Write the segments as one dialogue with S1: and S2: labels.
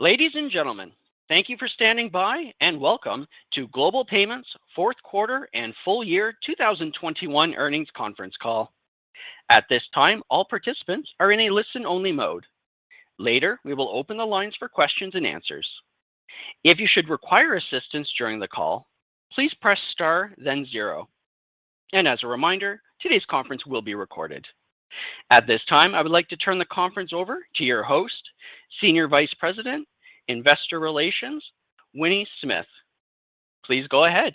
S1: Ladies and gentlemen, thank you for standing by and welcome to Global Payments Fourth Quarter and Full Year 2021 Earnings Conference Call. At this time, all participants are in a listen-only mode. Later, we will open the lines for questions and answers. If you should require assistance during the call, please press star then zero. As a reminder, today's conference will be recorded. At this time, I would like to turn the conference over to your host, Senior Vice President, Investor Relations, Winnie Smith. Please go ahead.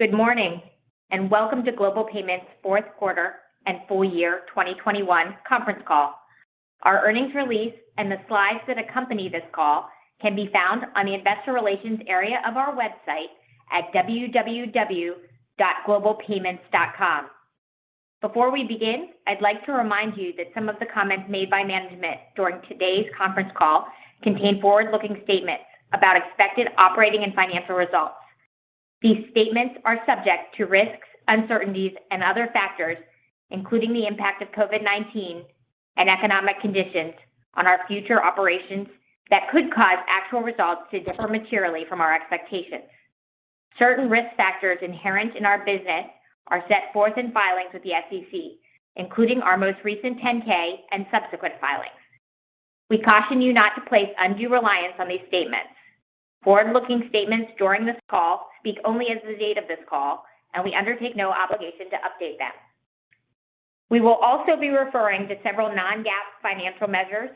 S2: Good morning and welcome to Global Payments Fourth Quarter and Full Year 2021 Conference Call. Our earnings release and the slides that accompany this call can be found on the investor relations area of our website at www.globalpayments.com. Before we begin, I'd like to remind you that some of the comments made by management during today's conference call contain forward-looking statements about expected operating and financial results. These statements are subject to risks, uncertainties and other factors, including the impact of COVID-19 and economic conditions on our future operations that could cause actual results to differ materially from our expectations. Certain risk factors inherent in our business are set forth in filings with the SEC, including our most recent 10-K and subsequent filings. We caution you not to place undue reliance on these statements. Forward-looking statements during this call speak only as of the date of this call, and we undertake no obligation to update them. We will also be referring to several non-GAAP financial measures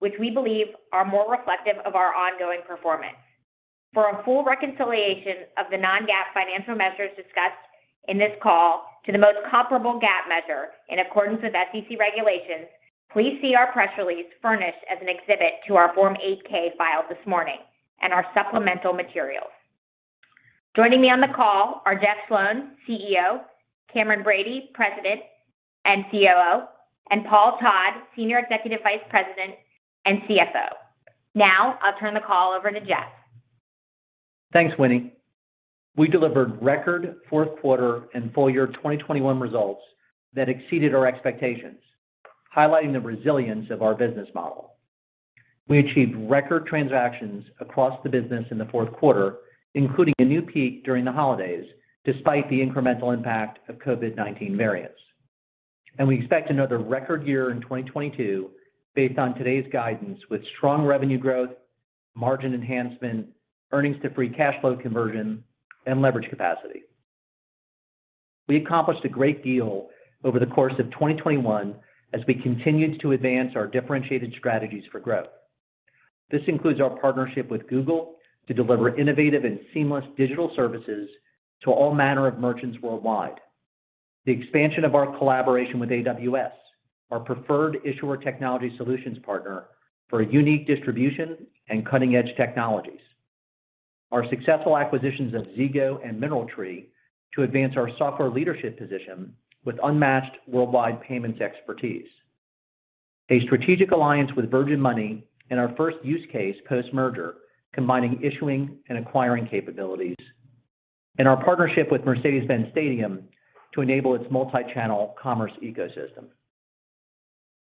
S2: which we believe are more reflective of our ongoing performance. For a full reconciliation of the non-GAAP financial measures discussed in this call to the most comparable GAAP measure in accordance with SEC regulations, please see our press release furnished as an exhibit to our Form 8-K filed this morning and our supplemental materials. Joining me on the call are Jeff Sloan, CEO, Cameron Bready, President and COO, and Paul Todd, Senior Executive Vice President and CFO. Now I'll turn the call over to Jeff.
S3: Thanks, Winnie. We delivered record Fourth Quarter and Full Year 2021 Results that exceeded our expectations, highlighting the resilience of our business model. We achieved record transactions across the business in the fourth quarter, including a new peak during the holidays, despite the incremental impact of COVID-19 variants. We expect another record year in 2022 based on today's guidance with strong revenue growth, margin enhancement, earnings to free cash flow conversion and leverage capacity. We accomplished a great deal over the course of 2021 as we continued to advance our differentiated strategies for growth. This includes our partnership with Google to deliver innovative and seamless digital services to all manner of merchants worldwide. The expansion of our collaboration with AWS, our preferred issuer technology solutions partner for unique distribution and cutting-edge technologies. Our successful acquisitions of Zego and MineralTree to advance our software leadership position with unmatched worldwide payments expertise. A strategic alliance with Virgin Money and our first use case post-merger, combining issuing and acquiring capabilities. Our partnership with Mercedes-Benz Stadium to enable its multi-channel commerce ecosystem.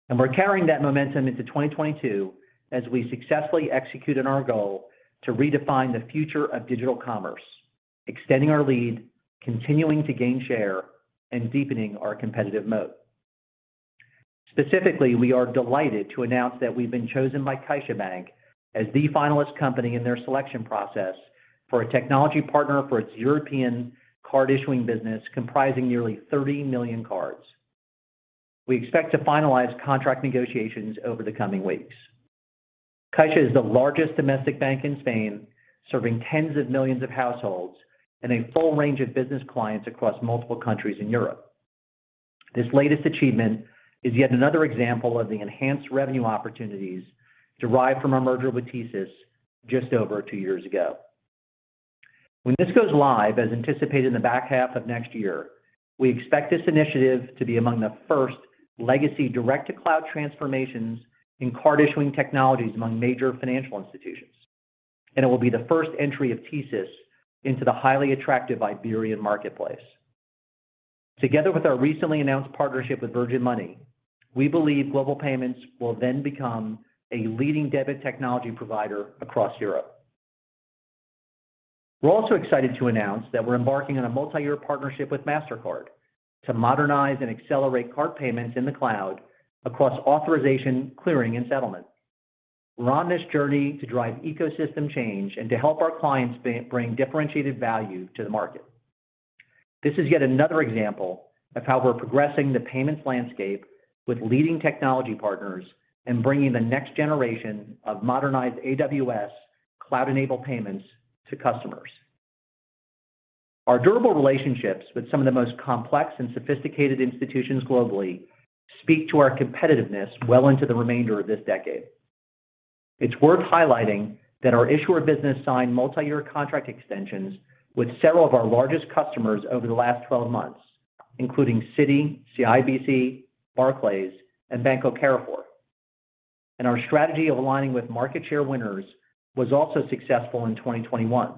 S3: We're carrying that momentum into 2022 as we successfully execute on our goal to redefine the future of digital commerce, extending our lead, continuing to gain share, and deepening our competitive moat. Specifically, we are delighted to announce that we've been chosen by CaixaBank as the finalist company in their selection process for a technology partner for its European card issuing business comprising nearly 30 million cards. We expect to finalize contract negotiations over the coming weeks. Caixa is the largest domestic bank in Spain, serving tens of millions of households and a full range of business clients across multiple countries in Europe. This latest achievement is yet another example of the enhanced revenue opportunities derived from our merger with TSYS just over two years ago. When this goes live, as anticipated in the back half of next year, we expect this initiative to be among the first legacy direct-to-cloud transformations in card issuing technologies among major financial institutions. It will be the first entry of TSYS into the highly attractive Iberian marketplace. Together with our recently announced partnership with Virgin Money, we believe Global Payments will then become a leading debit technology provider across Europe. We're also excited to announce that we're embarking on a multi-year partnership with Mastercard to modernize and accelerate card payments in the cloud across authorization, clearing and settlement. We're on this journey to drive ecosystem change and to help our clients bring differentiated value to the market. This is yet another example of how we're progressing the payments landscape with leading technology partners and bringing the next generation of modernized AWS cloud-enabled payments to customers. Our durable relationships with some of the most complex and sophisticated institutions globally speak to our competitiveness well into the remainder of this decade. It's worth highlighting that our issuer business signed multi-year contract extensions with several of our largest customers over the last twelve months, including Citi, CIBC, Barclays, and Banco Carrefour. Our strategy of aligning with market share winners was also successful in 2021.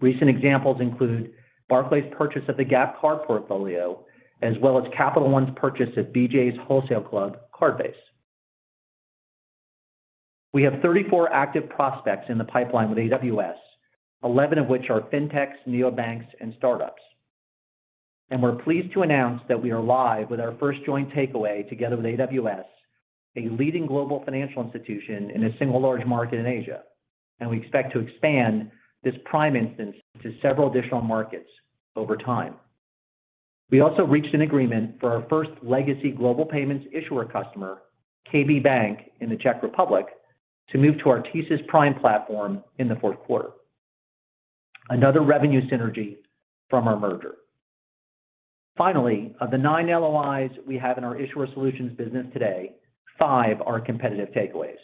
S3: Recent examples include Barclays' purchase of the Gap card portfolio, as well as Capital One's purchase of BJ's Wholesale Club card base. We have 34 active prospects in the pipeline with AWS, 11 of which are fintechs, neobanks, and startups. We're pleased to announce that we are live with our first joint takeaway together with AWS, a leading global financial institution in a single large market in Asia. We expect to expand this PRIME instance to several additional markets over time. We also reached an agreement for our first legacy Global Payments issuer customer, Komerční banka in the Czech Republic, to move to our TSYS PRIME platform in the fourth quarter, another revenue synergy from our merger. Finally, of the nine LOIs we have in our Issuer Solutions business today, five are competitive takeaways.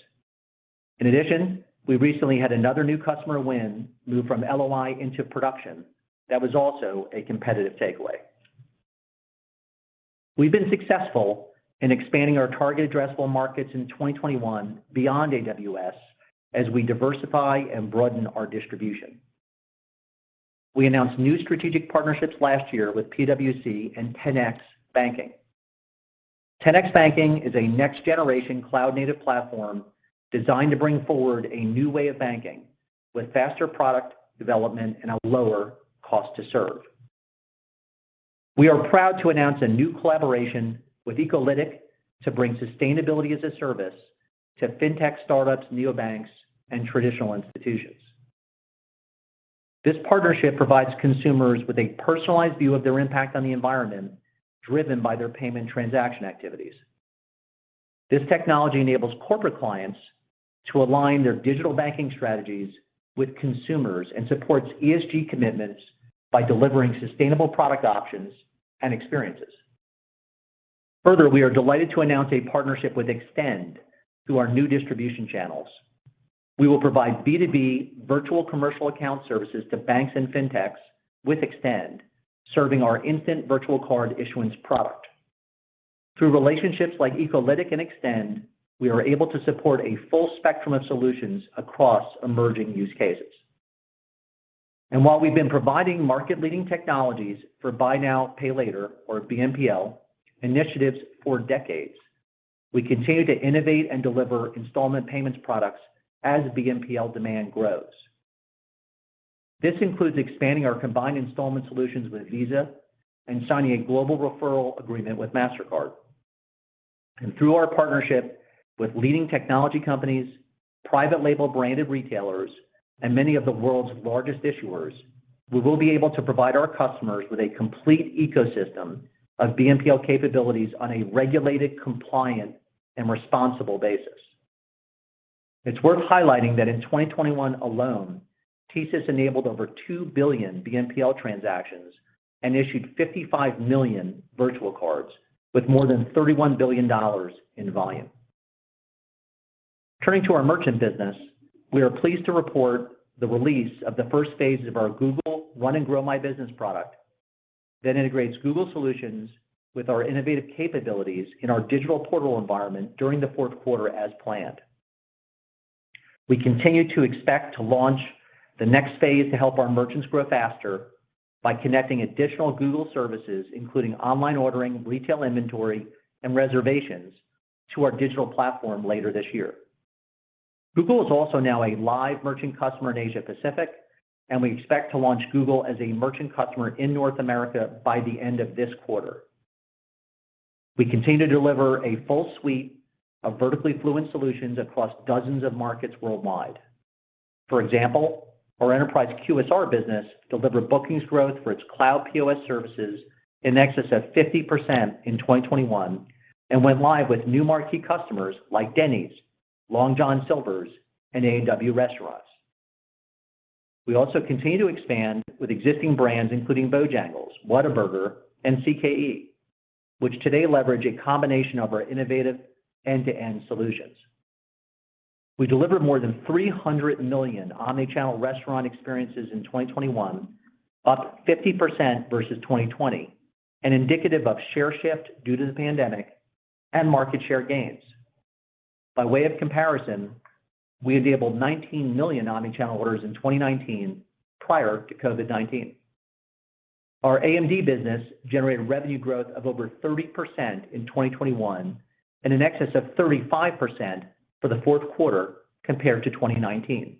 S3: In addition, we recently had another new customer win move from LOI into production that was also a competitive takeaway. We've been successful in expanding our target addressable markets in 2021 beyond AWS as we diversify and broaden our distribution. We announced new strategic partnerships last year with PwC and 10x Banking. 10x Banking is a next-generation cloud-native platform designed to bring forward a new way of banking with faster product development and a lower cost to serve. We are proud to announce a new collaboration with ecolytiq to bring sustainability as a service to fintech startups, neobanks, and traditional institutions. This partnership provides consumers with a personalized view of their impact on the environment driven by their payment transaction activities. This technology enables corporate clients to align their digital banking strategies with consumers and supports ESG commitments by delivering sustainable product options and experiences. Further, we are delighted to announce a partnership with Extend through our new distribution channels. We will provide B2B virtual commercial account services to banks and fintechs with Extend, serving our instant virtual card issuance product. Through relationships like ecolytiq and Extend, we are able to support a full spectrum of solutions across emerging use cases. While we've been providing market-leading technologies for Buy Now, Pay Later, or BNPL, initiatives for decades, we continue to innovate and deliver installment payments products as BNPL demand grows. This includes expanding our combined installment solutions with Visa and signing a global referral agreement with Mastercard. Through our partnership with leading technology companies, private label branded retailers, and many of the world's largest issuers, we will be able to provide our customers with a complete ecosystem of BNPL capabilities on a regulated, compliant, and responsible basis. It's worth highlighting that in 2021 alone, TSYS enabled over 2 billion BNPL transactions and issued 55 million virtual cards with more than $31 billion in volume. Turning to our merchant business, we are pleased to report the release of the first phase of our Google Run and Grow My Business product that integrates Google solutions with our innovative capabilities in our digital portal environment during the fourth quarter as planned. We continue to expect to launch the next phase to help our merchants grow faster by connecting additional Google services, including online ordering, retail inventory, and reservations to our digital platform later this year. Google is also now a live merchant customer in Asia Pacific, and we expect to launch Google as a merchant customer in North America by the end of this quarter. We continue to deliver a full suite of vertically fluent solutions across dozens of markets worldwide. For example, our enterprise QSR business delivered bookings growth for its cloud POS services in excess of 50% in 2021 and went live with new marquee customers like Denny's, Long John Silver's, and A&W Restaurants. We also continue to expand with existing brands, including Bojangles, Whataburger, and CKE, which today leverage a combination of our innovative end-to-end solutions. We delivered more than 300 million omni-channel restaurant experiences in 2021, up 50% versus 2020, and indicative of share shift due to the pandemic and market share gains. By way of comparison, we enabled 19 million omni-channel orders in 2019 prior to COVID-19. Our AMD business generated revenue growth of over 30% in 2021 and in excess of 35% for the fourth quarter compared to 2019.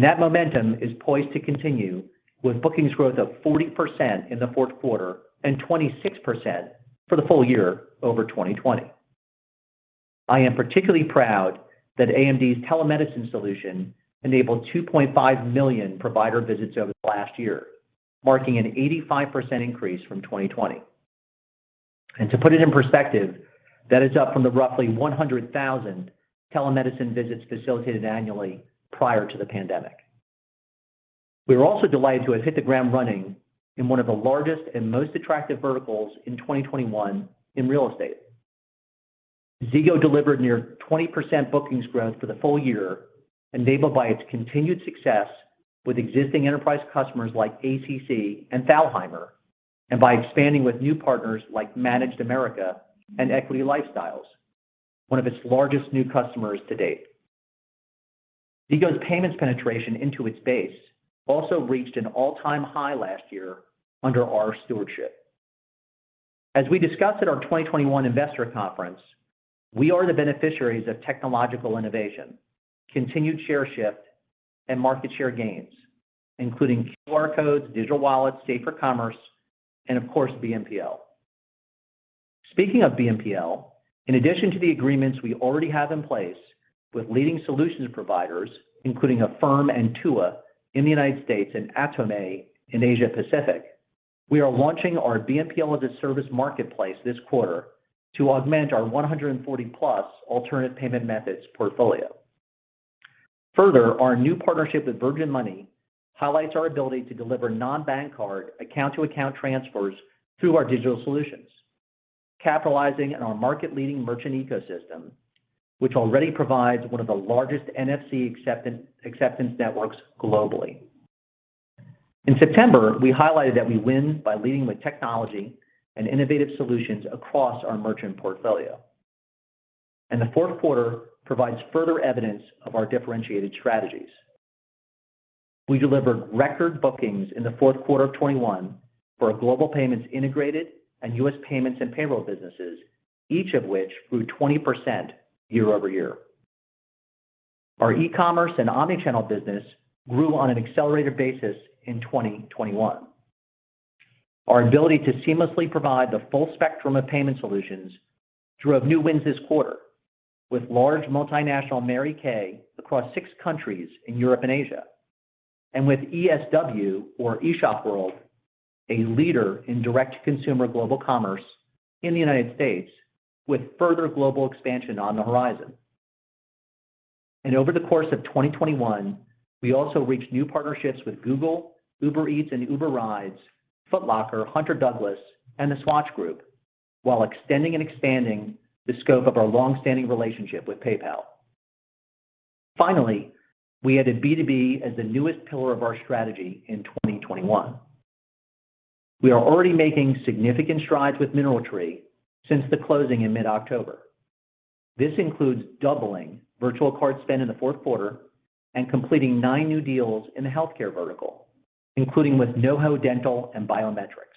S3: That momentum is poised to continue with bookings growth of 40% in the fourth quarter and 26% for the full year over 2020. I am particularly proud that AMD's telemedicine solution enabled 2.5 million provider visits over the last year, marking an 85% increase from 2020. To put it in perspective, that is up from the roughly 100,000 telemedicine visits facilitated annually prior to the pandemic. We are also delighted to have hit the ground running in one of the largest and most attractive verticals in 2021 in real estate. Zego delivered near 20% bookings growth for the full year, enabled by its continued success with existing enterprise customers like ACC and Thalhimer, and by expanding with new partners like Managed America and Equity LifeStyle Properties, one of its largest new customers to date. Zego's payments penetration into its base also reached an all-time high last year under our stewardship. As we discussed at our 2021 Investor Conference, we are the beneficiaries of technological innovation, continued share shift, and market share gains, including QR codes, digital wallets, safer commerce, and of course, BNPL. Speaking of BNPL, in addition to the agreements we already have in place with leading solutions providers, including Affirm and Tua in the United States and Atome in Asia-Pacific, we are launching our BNPL-as-a-service marketplace this quarter to augment our 140+ alternate payment methods portfolio. Further, our new partnership with Virgin Money highlights our ability to deliver non-bank card account-to-account transfers through our digital solutions, capitalizing on our market-leading merchant ecosystem, which already provides one of the largest NFC acceptance networks globally. In September, we highlighted that we win by leading with technology and innovative solutions across our merchant portfolio, and the fourth quarter provides further evidence of our differentiated strategies. We delivered record bookings in the fourth quarter of 2021 for our Global Payments Integrated and U.S. payments and payroll businesses, each of which grew 20% year-over-year. Our e-commerce and omni-channel business grew on an accelerated basis in 2021. Our ability to seamlessly provide the full spectrum of payment solutions drove new wins this quarter with large multinational Mary Kay across six countries in Europe and Asia, and with ESW, or eShopWorld, a leader in direct-to-consumer global commerce in the United States with further global expansion on the horizon. Over the course of 2021, we also reached new partnerships with Google, Uber Eats and Uber Rides, Foot Locker, Hunter Douglas, and the Swatch Group, while extending and expanding the scope of our long-standing relationship with PayPal. Finally, we added B2B as the newest pillar of our strategy in 2021. We are already making significant strides with MineralTree since the closing in mid-October. This includes doubling virtual card spend in the fourth quarter and completing nine new deals in the healthcare vertical, including with NoHo Dental and Biometrics.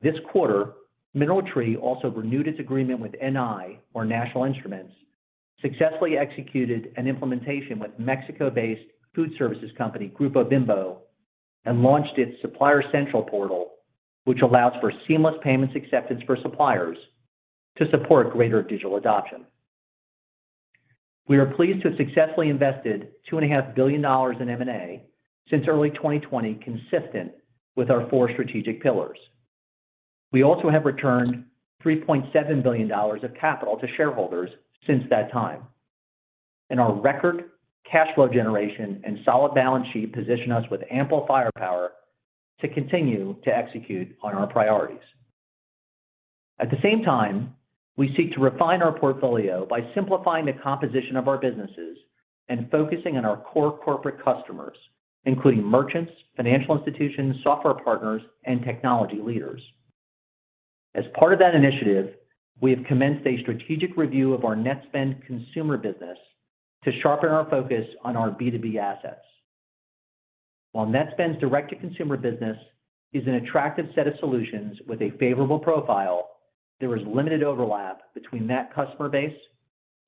S3: This quarter, MineralTree also renewed its agreement with NI, or National Instruments, successfully executed an implementation with Mexico-based food services company, Grupo Bimbo, and launched its Supplier Central portal, which allows for seamless payments acceptance for suppliers to support greater digital adoption. We are pleased to have successfully invested $2.5 billion in M&A since early 2020, consistent with our four strategic pillars. We also have returned $3.7 billion of capital to shareholders since that time. Our record cash flow generation and solid balance sheet position us with ample firepower to continue to execute on our priorities. At the same time, we seek to refine our portfolio by simplifying the composition of our businesses and focusing on our core corporate customers, including merchants, financial institutions, software partners, and technology leaders. As part of that initiative, we have commenced a strategic review of our Netspend consumer business to sharpen our focus on our B2B assets. While Netspend's direct-to-consumer business is an attractive set of solutions with a favorable profile, there is limited overlap between that customer base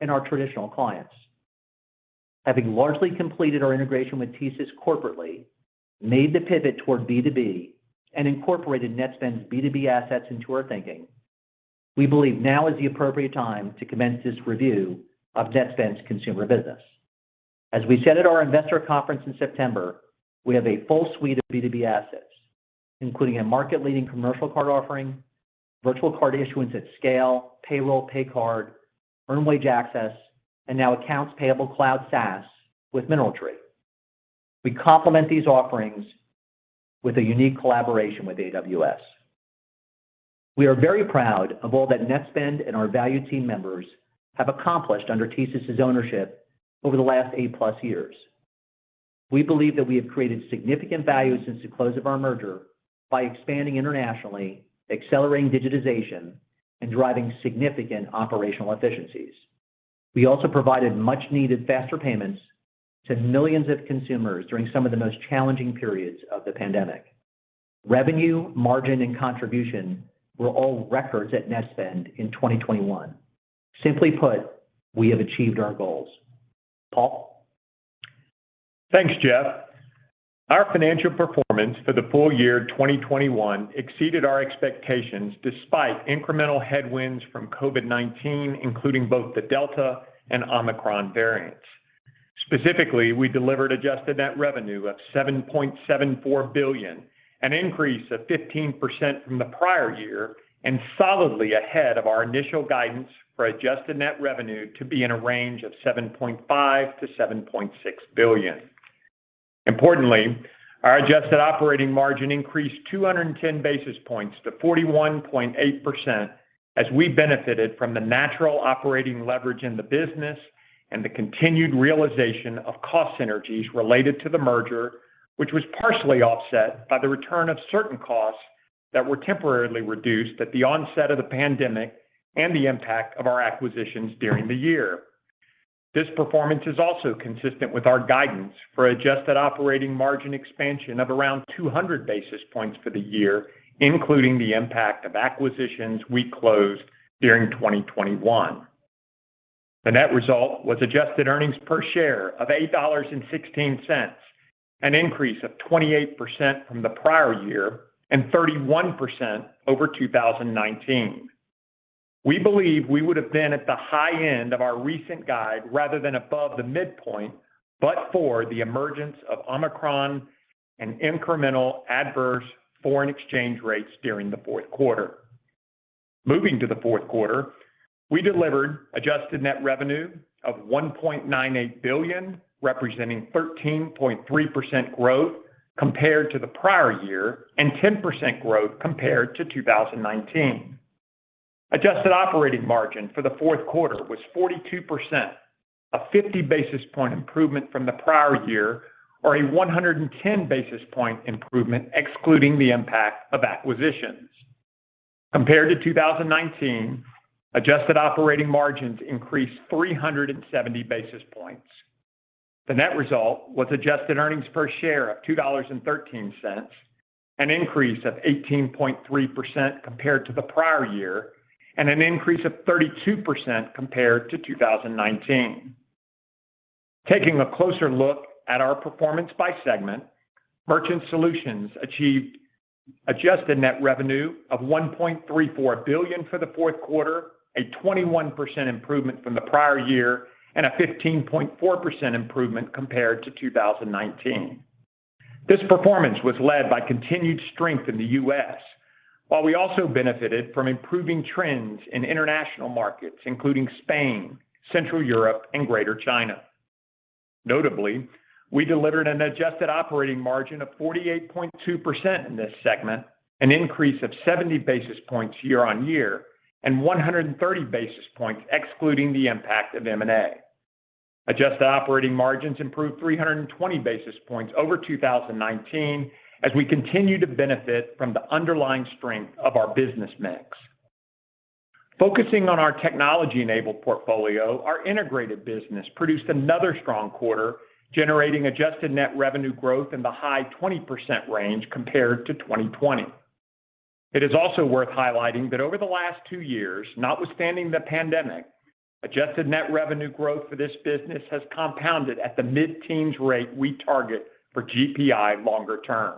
S3: and our traditional clients. Having largely completed our integration with TSYS corporately, made the pivot toward B2B, and incorporated Netspend's B2B assets into our thinking, we believe now is the appropriate time to commence this review of Netspend's consumer business. As we said at our investor conference in September, we have a full suite of B2B assets, including a market-leading commercial card offering, virtual card issuance at scale, payroll pay card, earned wage access, and now accounts payable cloud SaaS with MineralTree. We complement these offerings with a unique collaboration with AWS. We are very proud of all that Netspend and our valued team members have accomplished under TSYS' ownership over the last eight-plus years. We believe that we have created significant value since the close of our merger by expanding internationally, accelerating digitization, and driving significant operational efficiencies. We also provided much-needed faster payments to millions of consumers during some of the most challenging periods of the pandemic. Revenue, margin, and contribution were all records at Netspend in 2021. Simply put, we have achieved our goals. Paul?
S4: Thanks, Jeff. Our financial performance for the full year 2021 exceeded our expectations despite incremental headwinds from COVID-19 including both the Delta and Omicron variants. Specifically, we delivered adjusted net revenue of $7.74 billion, an increase of 15% from the prior year, and solidly ahead of our initial guidance for adjusted net revenue to be in a range of $7.5 billion-$7.6 billion. Importantly, our adjusted operating margin increased 210 basis points to 41.8% as we benefited from the natural operating leverage in the business and the continued realization of cost synergies related to the merger, which was partially offset by the return of certain costs that were temporarily reduced at the onset of the pandemic and the impact of our acquisitions during the year. This performance is also consistent with our guidance for adjusted operating margin expansion of around 200 basis points for the year, including the impact of acquisitions we closed during 2021. The net result was adjusted earnings per share of $8.16, an increase of 28% from the prior year and 31% over 2019. We believe we would have been at the high end of our recent guide rather than above the midpoint, but for the emergence of Omicron and incremental adverse foreign exchange rates during the fourth quarter. Moving to the fourth quarter, we delivered adjusted net revenue of $1.98 billion, representing 13.3% growth compared to the prior year and 10% growth compared to 2019. Adjusted operating margin for the fourth quarter was 42%, a 50 basis point improvement from the prior year or a 110 basis point improvement excluding the impact of acquisitions. Compared to 2019, adjusted operating margins increased 370 basis points. The net result was adjusted earnings per share of $2.13, an increase of 18.3% compared to the prior year and an increase of 32% compared to 2019. Taking a closer look at our performance by segment, Merchant Solutions achieved adjusted net revenue of $1.34 billion for the fourth quarter, a 21% improvement from the prior year and a 15.4% improvement compared to 2019. This performance was led by continued strength in the U.S., while we also benefited from improving trends in international markets, including Spain, Central Europe and Greater China. Notably, we delivered an adjusted operating margin of 48.2% in this segment, an increase of 70 basis points year-on-year and 130 basis points excluding the impact of M&A. Adjusted operating margins improved 320 basis points over 2019 as we continue to benefit from the underlying strength of our business mix. Focusing on our technology-enabled portfolio, our integrated business produced another strong quarter, generating adjusted net revenue growth in the high 20% range compared to 2020. It is also worth highlighting that over the last two years, notwithstanding the pandemic, adjusted net revenue growth for this business has compounded at the mid-teens rate we target for GPI longer term.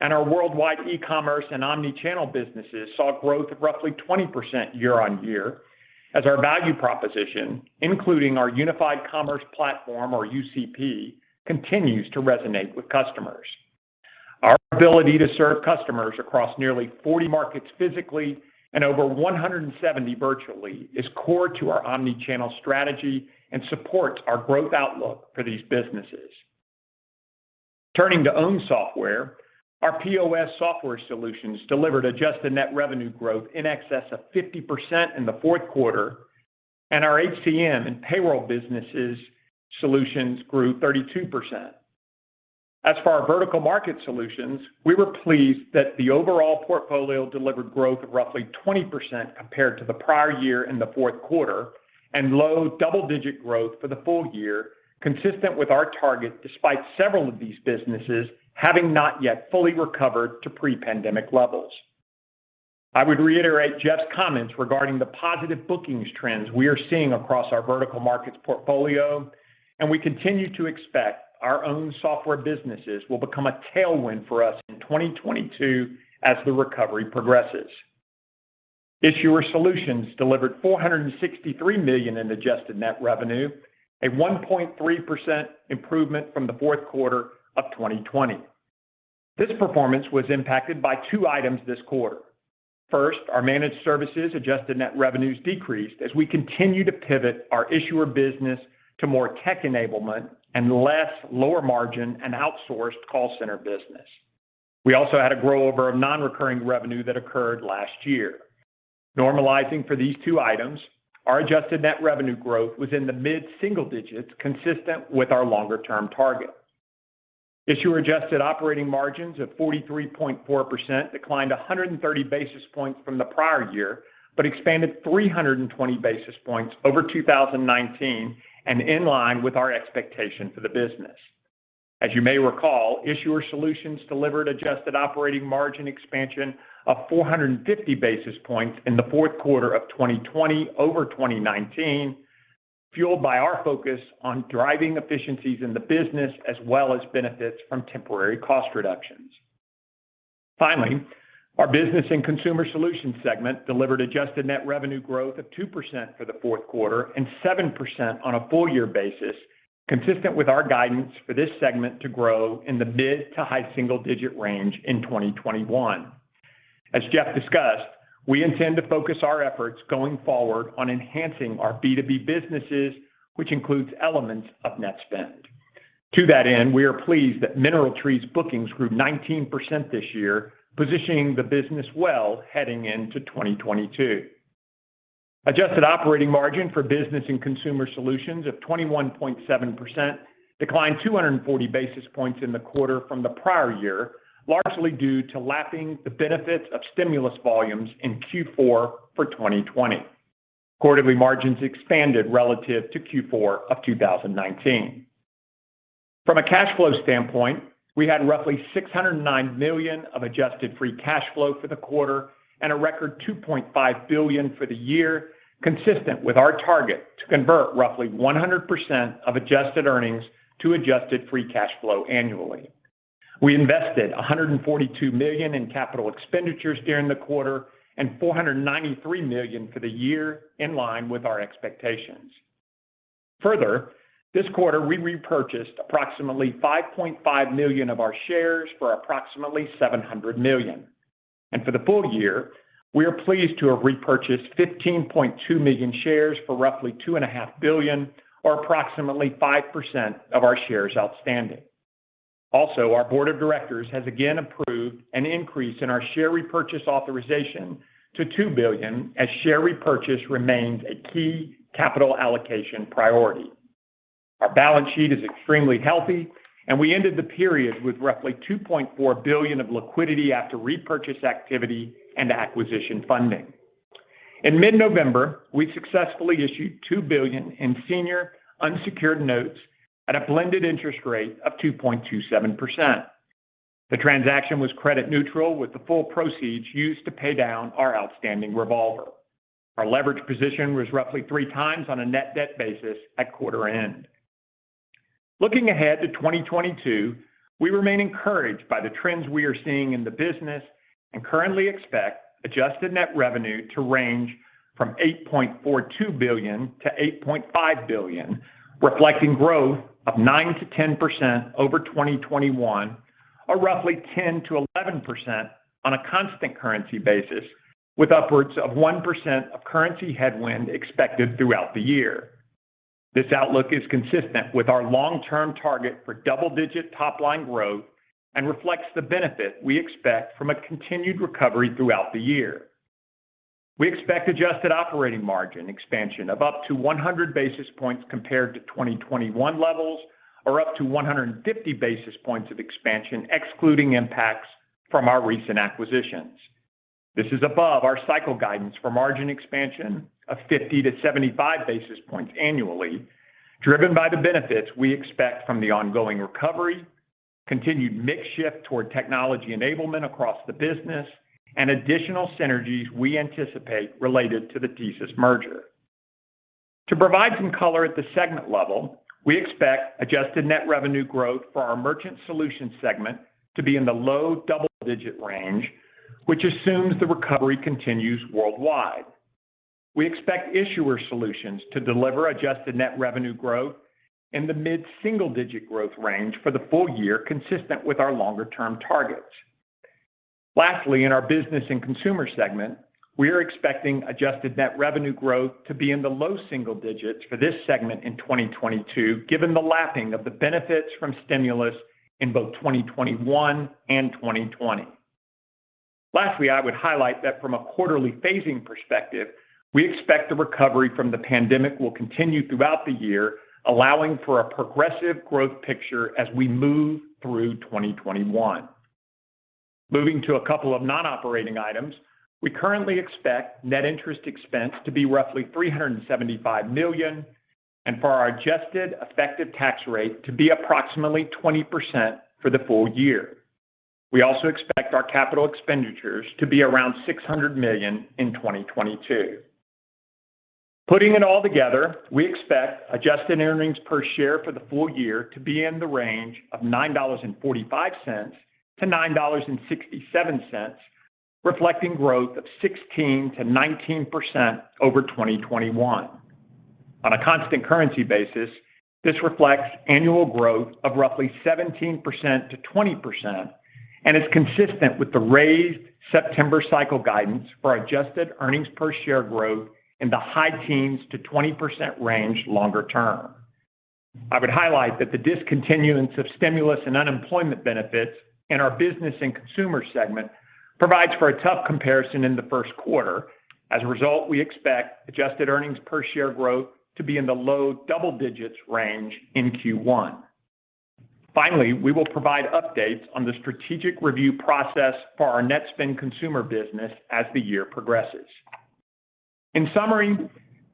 S4: Our worldwide e-commerce and omni-channel businesses saw growth of roughly 20% year-over-year as our value proposition, including our unified commerce platform or UCP, continues to resonate with customers. Our ability to serve customers across nearly 40 markets physically and over 170 virtually is core to our omni-channel strategy and supports our growth outlook for these businesses. Turning to our own software, our POS software solutions delivered adjusted net revenue growth in excess of 50% in the fourth quarter, and our HCM and payroll business solutions grew 32%. As for our vertical market solutions, we were pleased that the overall portfolio delivered growth of roughly 20% compared to the prior year in the fourth quarter and low double-digit growth for the full year, consistent with our target despite several of these businesses having not yet fully recovered to pre-pandemic levels. I would reiterate Jeff's comments regarding the positive bookings trends we are seeing across our vertical markets portfolio, and we continue to expect our own software businesses will become a tailwind for us in 2022 as the recovery progresses. Issuer Solutions delivered $463 million in adjusted net revenue, a 1.3% improvement from the fourth quarter of 2020. This performance was impacted by two items this quarter. First, our managed services adjusted net revenues decreased as we continue to pivot our issuer business to more tech enablement and less lower margin and outsourced call center business. We also had a rollover of non-recurring revenue that occurred last year. Normalizing for these two items, our adjusted net revenue growth was in the mid-single digits consistent with our longer-term target. Issuer Solutions adjusted operating margins of 43.4% declined 130 basis points from the prior year, but expanded 320 basis points over 2019 and in line with our expectation for the business. Issuer Solutions delivered adjusted operating margin expansion of 450 basis points in the fourth quarter of 2020 over 2019, fueled by our focus on driving efficiencies in the business as well as benefits from temporary cost reductions. Our Business and Consumer Solutions segment delivered adjusted net revenue growth of 2% for the fourth quarter and 7% on a full year basis, consistent with our guidance for this segment to grow in the mid- to high-single-digit range in 2021. As Jeff discussed, we intend to focus our efforts going forward on enhancing our B2B businesses, which includes elements of Netspend. To that end, we are pleased that MineralTree's bookings grew 19% this year, positioning the business well heading into 2022. Adjusted operating margin for Business and Consumer Solutions of 21.7% declined 240 basis points in the quarter from the prior year, largely due to lapping the benefits of stimulus volumes in Q4 for 2020. Quarterly margins expanded relative to Q4 of 2019. From a cash flow standpoint, we had roughly $609 million of adjusted free cash flow for the quarter and a record $2.5 billion for the year, consistent with our target to convert roughly 100% of adjusted earnings to adjusted free cash flow annually. We invested $142 million in capital expenditures during the quarter and $493 million for the year in line with our expectations. Further, this quarter, we repurchased approximately 5.5 million of our shares for approximately $700 million. For the full year, we are pleased to have repurchased 15.2 million shares for roughly $2.5 billion or approximately 5% of our shares outstanding. Also, our board of directors has again approved an increase in our share repurchase authorization to $2 billion as share repurchase remains a key capital allocation priority. Our balance sheet is extremely healthy, and we ended the period with roughly $2.4 billion of liquidity after repurchase activity and acquisition funding. In mid-November, we successfully issued $2 billion in senior unsecured notes at a blended interest rate of 2.27%. The transaction was credit neutral with the full proceeds used to pay down our outstanding revolver. Our leverage position was roughly 3x on a net debt basis at quarter end. Looking ahead to 2022, we remain encouraged by the trends we are seeing in the business and currently expect adjusted net revenue to range from $8.42 billion-$8.5 billion, reflecting growth of 9%-10% over 2021 or roughly 10%-11% on a constant currency basis with upwards of 1% of currency headwind expected throughout the year. This outlook is consistent with our long-term target for double-digit top-line growth and reflects the benefit we expect from a continued recovery throughout the year. We expect adjusted operating margin expansion of up to 100 basis points compared to 2021 levels or up to 150 basis points of expansion, excluding impacts from our recent acquisitions. This is above our cycle guidance for margin expansion of 50-75 basis points annually, driven by the benefits we expect from the ongoing recovery, continued mix shift toward technology enablement across the business, and additional synergies we anticipate related to the TSYS merger. To provide some color at the segment level, we expect adjusted net revenue growth for our Merchant Solutions segment to be in the low double-digit range, which assumes the recovery continues worldwide. We expect Issuer Solutions to deliver adjusted net revenue growth in the mid-single digit growth range for the full year, consistent with our longer-term targets. Lastly, in our Business and Consumer segment, we are expecting adjusted net revenue growth to be in the low single digits for this segment in 2022, given the lapping of the benefits from stimulus in both 2021 and 2020. Lastly, I would highlight that from a quarterly phasing perspective, we expect the recovery from the pandemic will continue throughout the year, allowing for a progressive growth picture as we move through 2021. Moving to a couple of non-operating items, we currently expect net interest expense to be roughly $375 million and for our adjusted effective tax rate to be approximately 20% for the full year. We also expect our capital expenditures to be around $600 million in 2022. Putting it all together, we expect adjusted earnings per share for the full year to be in the range of $9.45-$9.67, reflecting growth of 16%-19% over 2021. On a constant currency basis, this reflects annual growth of roughly 17%-20% and is consistent with the raised September cycle guidance for adjusted earnings per share growth in the high teens to 20% range longer term. I would highlight that the discontinuance of stimulus and unemployment benefits in our business and consumer segment provides for a tough comparison in the first quarter. As a result, we expect adjusted earnings per share growth to be in the low double digits range in Q1. Finally, we will provide updates on the strategic review process for our Netspend consumer business as the year progresses. In summary,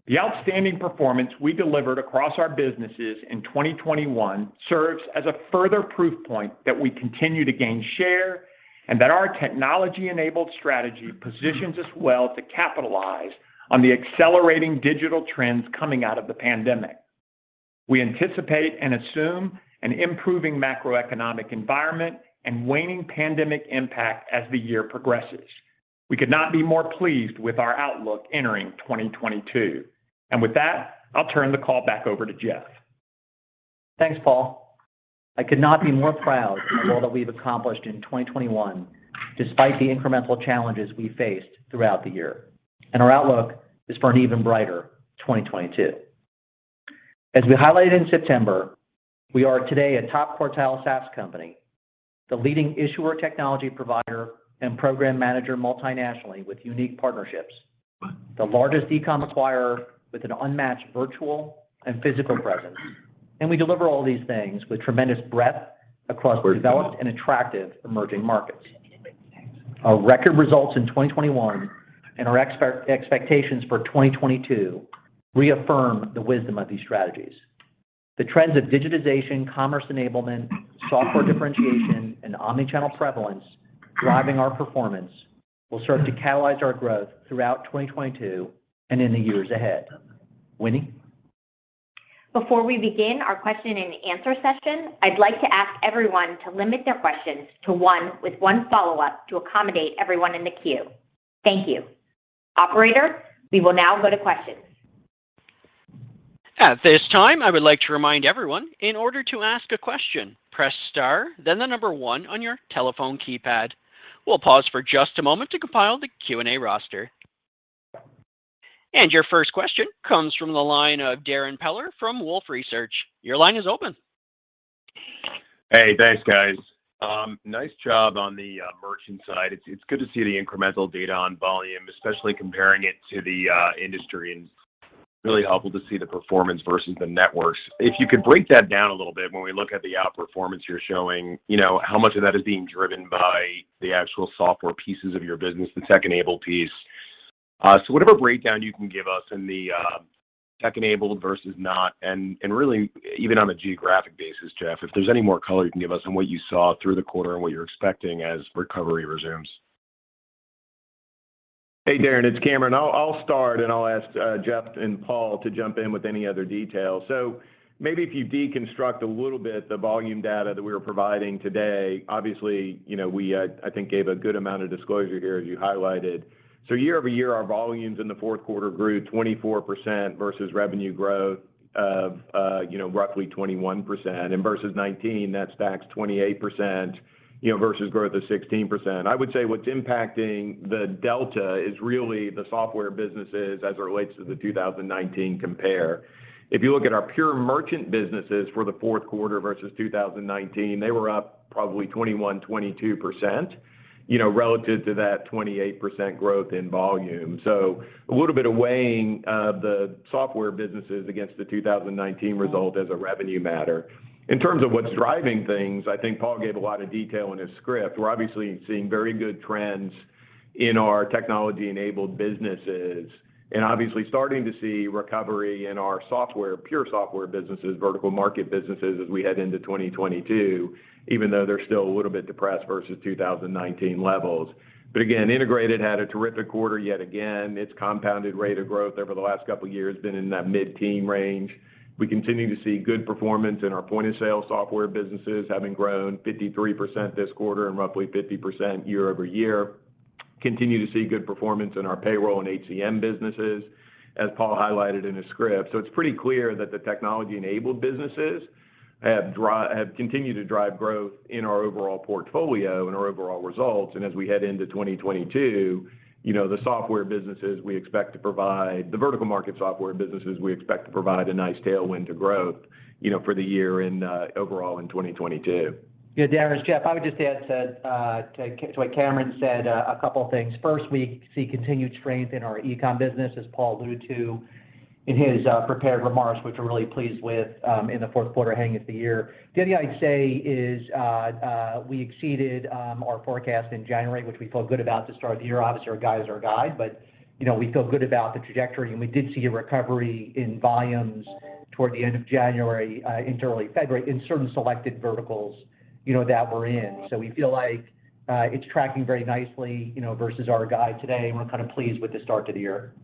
S4: the outstanding performance we delivered across our businesses in 2021 serves as a further proof point that we continue to gain share and that our technology-enabled strategy positions us well to capitalize on the accelerating digital trends coming out of the pandemic. We anticipate and assume an improving macroeconomic environment and waning pandemic impact as the year progresses. We could not be more pleased with our outlook entering 2022. With that, I'll turn the call back over to Jeff.
S3: Thanks, Paul. I could not be more proud of all that we've accomplished in 2021 despite the incremental challenges we faced throughout the year. Our outlook is for an even brighter 2022. As we highlighted in September, we are today a top-quartile SaaS company, the leading issuer technology provider and program manager multi-nationally with unique partnerships, the largest e-com acquirer with an unmatched virtual and physical presence, and we deliver all these things with tremendous breadth across developed and attractive emerging markets. Our record results in 2021 and our expectations for 2022 reaffirm the wisdom of these strategies. The trends of digitization, commerce enablement, software differentiation, and omni-channel prevalence driving our performance will serve to catalyze our growth throughout 2022 and in the years ahead. Winnie?
S2: Before we begin our question and answer session, I'd like to ask everyone to limit their questions to one with one follow-up to accommodate everyone in the queue. Thank you. Operator, we will now go to questions.
S1: At this time, I would like to remind everyone, in order to ask a question, press star then the number one on your telephone keypad. We'll pause for just a moment to compile the Q&A roster. Your first question comes from the line of Darrin Peller from Wolfe Research. Your line is open.
S5: Hey, thanks, guys. Nice job on the merchant side. It's good to see the incremental data on volume, especially comparing it to the industry, and really helpful to see the performance versus the networks. If you could break that down a little bit when we look at the outperformance you're showing, you know, how much of that is being driven by the actual software pieces of your business, the tech-enabled piece? So whatever breakdown you can give us in the tech-enabled versus not, and really even on a geographic basis, Jeff, if there's any more color you can give us on what you saw through the quarter and what you're expecting as recovery resumes.
S6: Hey, Darrin, it's Cameron Bready. I'll start, and I'll ask Jeff Sloan and Paul Todd to jump in with any other details. Maybe if you deconstruct a little bit the volume data that we were providing today, obviously, you know, we I think gave a good amount of disclosure here, as you highlighted. Year-over-year, our volumes in the fourth quarter grew 24% versus revenue growth of, you know, roughly 21%. Versus 2019, that stacks 28%, you know, versus growth of 16%. I would say what's impacting the delta is really the software businesses as it relates to the 2019 compare. If you look at our pure merchant businesses for the fourth quarter versus 2019, they were up probably 21-22%, you know, relative to that 28% growth in volume. A little bit of weighing of the software businesses against the 2019 result as a revenue matter. In terms of what's driving things, I think Paul gave a lot of detail in his script. We're obviously seeing very good trends in our technology-enabled businesses and obviously starting to see recovery in our software, pure software businesses, vertical market businesses as we head into 2022, even though they're still a little bit depressed versus 2019 levels. Again, integrated had a terrific quarter yet again. Its compounded rate of growth over the last couple years been in that mid-teen range. We continue to see good performance in our point-of-sale software businesses, having grown 53% this quarter and roughly 50% year-over-year. Continue to see good performance in our payroll and HCM businesses, as Paul highlighted in his script. It's pretty clear that the technology-enabled businesses have continued to drive growth in our overall portfolio and our overall results. As we head into 2022, you know, the vertical market software businesses we expect to provide a nice tailwind to growth, you know, for the year and overall in 2022.
S3: Yeah, Darrin, it's Jeff. I would just add to what Cameron Bready said, a couple things. First, we see continued strength in our e-com business, as Paul Todd alluded to in his prepared remarks, which we're really pleased with, in the fourth quarter heading into the year. The other thing I'd say is, we exceeded our forecast in January, which we feel good about to start the year. Obviously, our guide is our guide, but, you know, we feel good about the trajectory, and we did see a recovery in volumes toward the end of January, into early February in certain selected verticals, you know, that we're in. We feel like, it's tracking very nicely, you know, versus our guide today, and we're kind of pleased with the start to the year.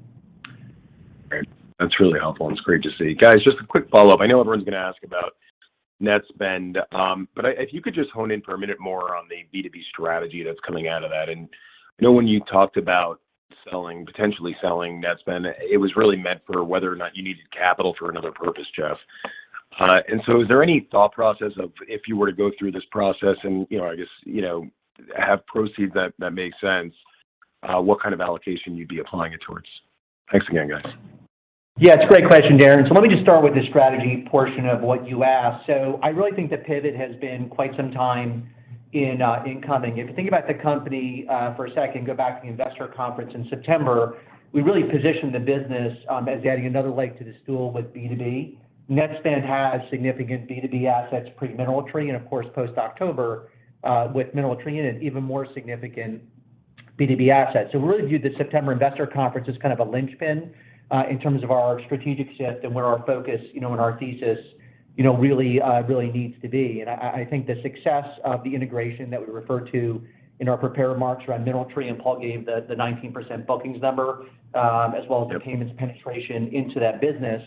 S5: Great. That's really helpful, and it's great to see. Guys, just a quick follow-up. I know everyone's gonna ask about Netspend, but if you could just hone in for a minute more on the B2B strategy that's coming out of that. I know when you talked about selling, potentially selling Netspend, it was really meant for whether or not you needed capital for another purpose, Jeff. Is there any thought process of if you were to go through this process and, you know, I guess, you know, have proceeds that make sense, what kind of allocation you'd be applying it towards? Thanks again, guys.
S3: Yeah, it's a great question, Darrin. Let me just start with the strategy portion of what you asked. I really think the pivot has been quite some time in coming. If you think about the company for a second, go back to the investor conference in September, we really positioned the business as adding another leg to the stool with B2B. Netspend has significant B2B assets pre-MineralTree, and of course, post-October with MineralTree in it, even more significant B2B assets. We really viewed the September investor conference as kind of a linchpin in terms of our strategic shift and where our focus, you know, and our thesis, you know, really needs to be. I think the success of the integration that we referred to in our prepared remarks around MineralTree, and Paul gave the 19% bookings number, as well as the payments penetration into that business,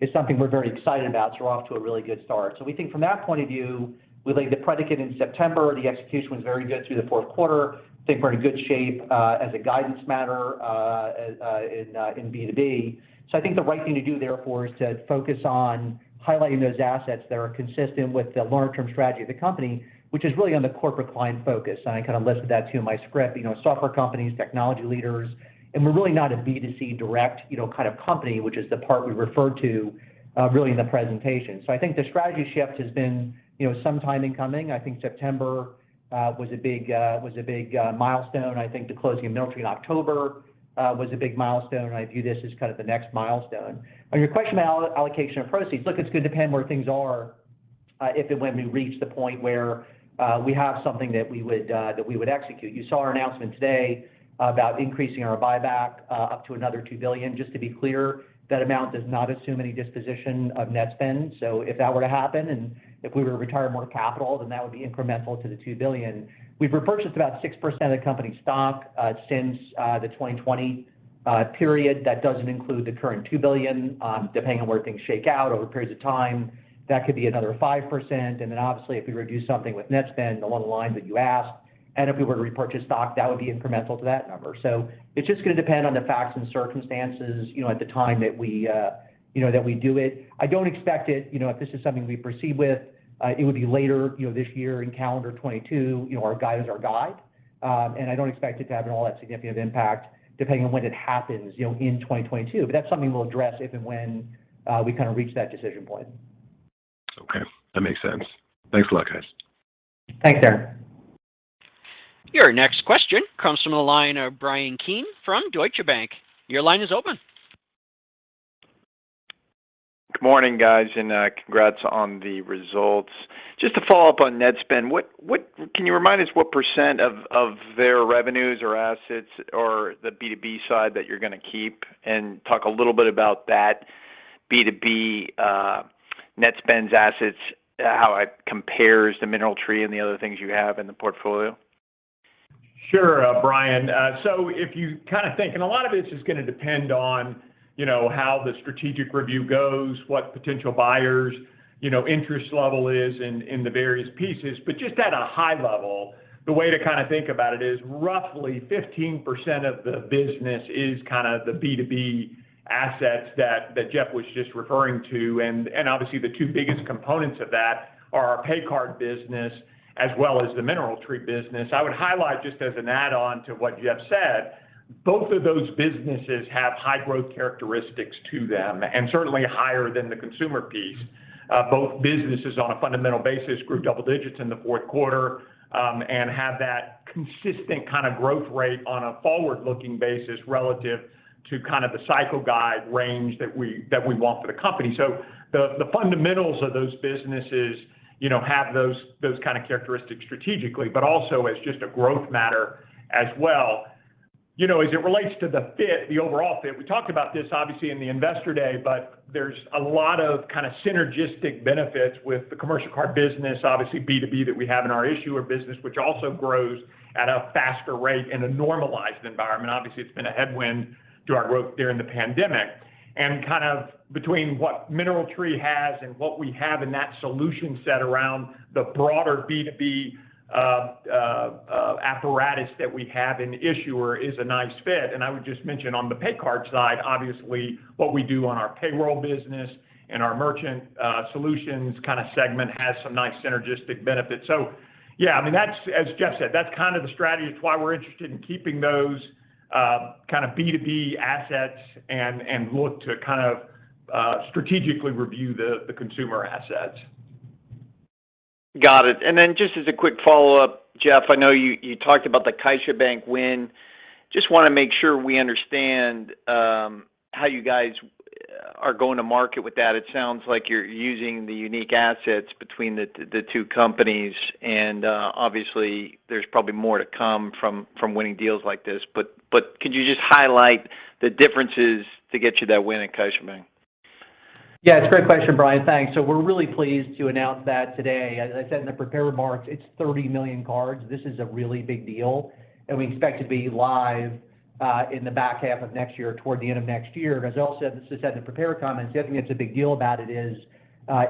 S3: is something we're very excited about. We're off to a really good start. We think from that point of view, we laid the predicate in September. The execution was very good through the fourth quarter. I think we're in good shape, as a guidance matter, in B2B. I think the right thing to do therefore is to focus on highlighting those assets that are consistent with the long-term strategy of the company, which is really on the corporate client focus. I kind of listed that too in my script. You know, software companies, technology leaders, and we're really not a B2C direct, you know, kind of company, which is the part we referred to really in the presentation. I think the strategy shift has been, you know, some time in coming. I think September was a big milestone. I think the closing of MineralTree in October was a big milestone. I view this as kind of the next milestone. On your question about allocation of proceeds, look, it's gonna depend where things are. If and when we reach the point where we have something that we would execute. You saw our announcement today about increasing our buyback up to another $2 billion. Just to be clear, that amount does not assume any disposition of Netspend. If that were to happen and if we were to retire more capital, then that would be incremental to the $2 billion. We've repurchased about 6% of the company stock since the 2020 period. That doesn't include the current $2 billion. Depending on where things shake out over periods of time, that could be another 5%. Obviously, if we reduce something with Netspend along the lines that you asked, and if we were to repurchase stock, that would be incremental to that number. It's just gonna depend on the facts and circumstances, you know, at the time that we, you know, that we do it. I don't expect it. You know, if this is something we proceed with, it would be later, you know, this year in calendar 2022. You know, our guide is our guide. I don't expect it to have all that significant impact depending on when it happens, you know, in 2022. That's something we'll address if and when we kinda reach that decision point.
S5: Okay. That makes sense. Thanks a lot, guys.
S3: Thanks, Aaron.
S1: Your next question comes from the line of Bryan Keane from Deutsche Bank. Your line is open.
S7: Good morning, guys, and congrats on the results. Just to follow up on Netspend, can you remind us what percent of their revenues or assets or the B2B side that you're gonna keep? Talk a little bit about that B2B, Netspend's assets, how it compares to MineralTree and the other things you have in the portfolio.
S4: Sure, Bryan. So if you kinda think, and a lot of it's just gonna depend on, you know, how the strategic review goes, what potential buyers, you know, interest level is in the various pieces. Just at a high level, the way to kinda think about it is roughly 15% of the business is kinda the B2B assets that Jeff was just referring to. Obviously the two biggest components of that are our pay card business as well as the MineralTree business. I would highlight just as an add on to what Jeff said, both of those businesses have high growth characteristics to them and certainly higher than the consumer piece. Both businesses on a fundamental basis grew double digits in the fourth quarter and have that consistent kind of growth rate on a forward-looking basis relative to kind of the cycle guide range that we want for the company. The fundamentals of those businesses, you know, have those kind of characteristics strategically, but also as just a growth matter as well. You know, as it relates to the fit, the overall fit, we talked about this obviously in the Investor Day, but there's a lot of kind of synergistic benefits with the commercial card business, obviously B2B that we have in our issuer business, which also grows at a faster rate in a normalized environment. Obviously, it's been a headwind to our growth during the pandemic. Kind of between what MineralTree has and what we have in that solution set around the broader B2B apparatus that we have in issuer is a nice fit. I would just mention on the pay card side, obviously what we do on our payroll business and our Merchant Solutions kinda segment has some nice synergistic benefits. Yeah, I mean, that's as Jeff said, that's kind of the strategy. It's why we're interested in keeping those kind of B2B assets and look to kind of strategically review the consumer assets.
S7: Got it. Just as a quick follow-up, Jeff, I know you talked about the CaixaBank win. Just wanna make sure we understand how you guys are going to market with that. It sounds like you're using the unique assets between the two companies, and obviously there's probably more to come from winning deals like this. But could you just highlight the differences to get you that win at CaixaBank?
S3: Yeah, it's a great question, Bryan. Thanks. We're really pleased to announce that today. As I said in the prepared remarks, it's 30 million cards. This is a really big deal, and we expect to be live in the back half of next year, toward the end of next year. As Earl said, as I said in the prepared comments, definitely what's a big deal about it is,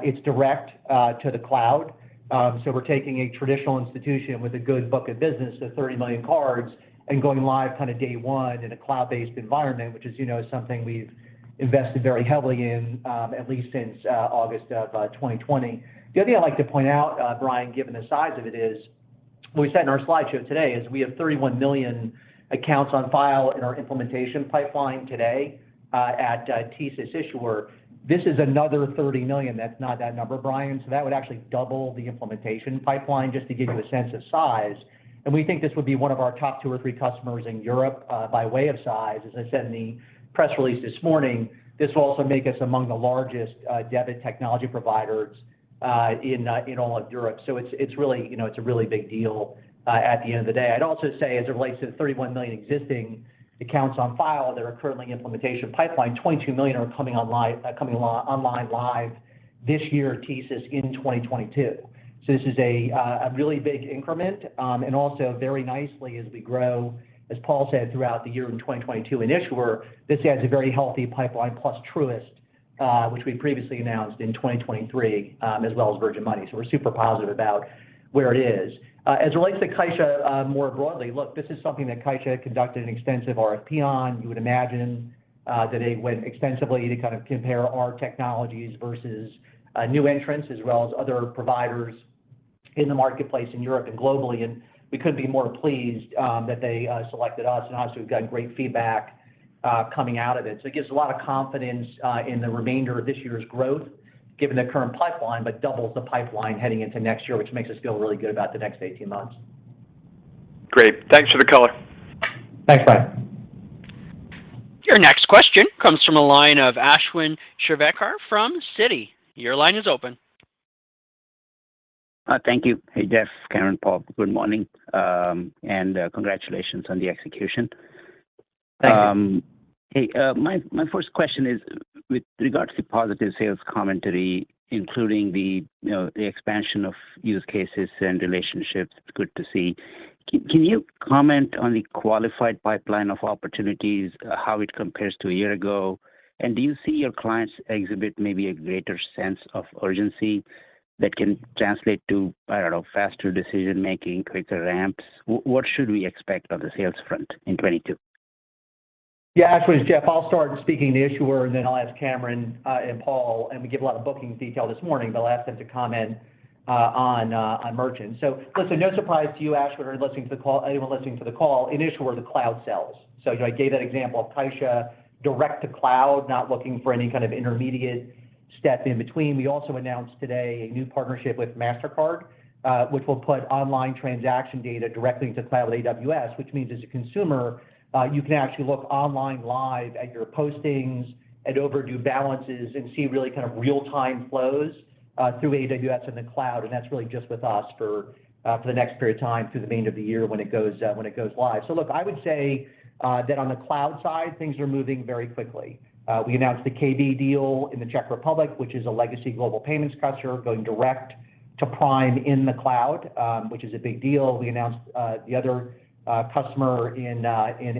S3: it's direct to the cloud. We're taking a traditional institution with a good book of business, the 30 million cards, and going live kinda day one in a cloud-based environment, which is you know, something we've invested very heavily in, at least since August of 2020. The other thing I'd like to point out, Bryan, given the size of it is, we said in our slideshow today is we have 31 million accounts on file in our implementation pipeline today, at TSYS issuer. This is another 30 million. That's not that number, Bryan. That would actually double the implementation pipeline, just to give you a sense of size. We think this would be one of our top two or three customers in Europe, by way of size. As I said in the press release this morning, this will also make us among the largest debit technology providers in all of Europe. It's really, you know, a really big deal at the end of the day. I'd also say as it relates to the 31 million existing accounts on file that are currently in implementation pipeline, 22 million are coming online live this year at TSYS in 2022. This is a really big increment, and also very nicely as we grow, as Paul said, throughout the year in 2022 in issuer. This adds a very healthy pipeline plus Truist, which we previously announced in 2023, as well as Virgin Money. We're super positive about where it is. As it relates to Caixa, more broadly, look, this is something that Caixa conducted an extensive RFP on. You would imagine that they went extensively to kind of compare our technologies versus new entrants as well as other providers in the marketplace in Europe and globally. We couldn't be more pleased that they selected us, and honestly, we've gotten great feedback coming out of it. It gives a lot of confidence in the remainder of this year's growth given the current pipeline, but doubles the pipeline heading into next year, which makes us feel really good about the next 18 months.
S7: Great. Thanks for the color.
S3: Thanks, Bryan.
S1: Your next question comes from a line of Ashwin Shirvaikar from Citi. Your line is open.
S8: Thank you. Hey, Jeff, Cameron, Paul, good morning, and congratulations on the execution.
S3: Thank you.
S8: Hey, my first question is with regards to positive sales commentary, including the, you know, the expansion of use cases and relationships, it's good to see. Can you comment on the qualified pipeline of opportunities, how it compares to a year ago? Do you see your clients exhibit maybe a greater sense of urgency that can translate to, I don't know, faster decision-making, quicker ramps? What should we expect on the sales front in 2022?
S3: Yeah. Ashwin, it's Jeff. I'll start speaking to issuer, and then I'll ask Cameron and Paul, and we give a lot of booking detail this morning, but I'll ask them to comment on merchant. Listen, no surprise to you, Ashwin, or listening to the call, anyone listening to the call, issuer, the cloud sells. You know, I gave that example of Caixa direct to cloud, not looking for any kind of intermediate step in between. We also announced today a new partnership with Mastercard, which will put online transaction data directly into cloud AWS. Which means as a consumer, you can actually look online live at your postings and overdue balances and see really kind of real-time flows through AWS in the cloud. That's really just with us for the next period of time through the end of the year when it goes live. Look, I would say that on the cloud side, things are moving very quickly. We announced the Komerční banka deal in the Czech Republic, which is a legacy Global Payments customer going direct to PRIME in the cloud, which is a big deal. We announced the other customer in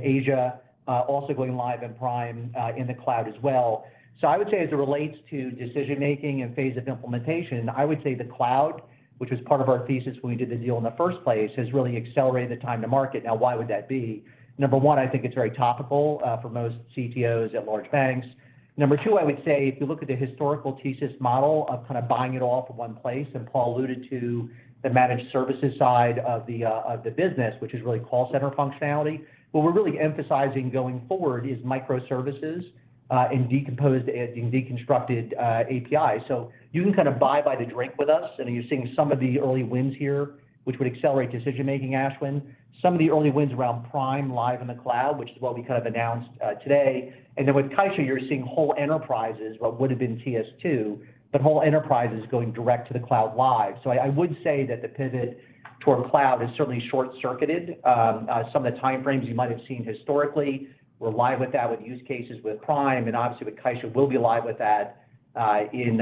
S3: Asia also going live in PRIME in the cloud as well. I would say as it relates to decision-making and phase of implementation, I would say the cloud, which was part of our thesis when we did the deal in the first place, has really accelerated the time to market. Now why would that be? Number 1, I think it's very topical for most CTOs at large banks. Number 2, I would say if you look at the historical thesis model of kind of buying it all from one place, and Paul alluded to the managed services side of the business, which is really call center functionality. What we're really emphasizing going forward is microservices and decomposed and deconstructed APIs. So you can kind of buy by the drink with us, and you're seeing some of the early wins here, which would accelerate decision-making, Ashwin. Some of the early wins around PRIME live in the cloud, which is what we kind of announced today. Then with Caixa, you're seeing whole enterprises, what would've been TS2, but whole enterprises going direct to the cloud live. I would say that the pivot toward cloud has certainly short-circuited some of the time frames you might have seen historically. We're live with that with use cases with PRIME, and obviously with Caixa, we'll be live with that in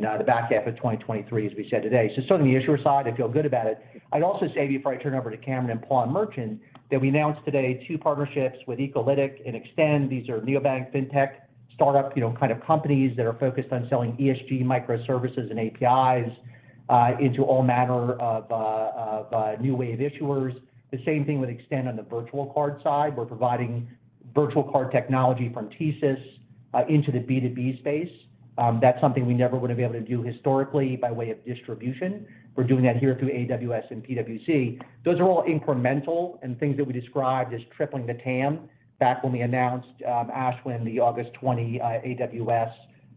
S3: the back half of 2023, as we said today. Certainly the issuer side, I feel good about it. I'd also say before I turn over to Cameron and Paul on merchant, that we announced today two partnerships with ecolytiq and Extend. These are neobank, fintech startup, you know, kind of companies that are focused on selling ESG microservices and APIs into all manner of new wave issuers. The same thing with Extend on the virtual card side. We're providing virtual card technology from TSYS into the B2B space. That's something we never would've been able to do historically by way of distribution. We're doing that here through AWS and PwC. Those are all incremental and things that we described as tripling the TAM back when we announced, Ashwin, the August 20 AWS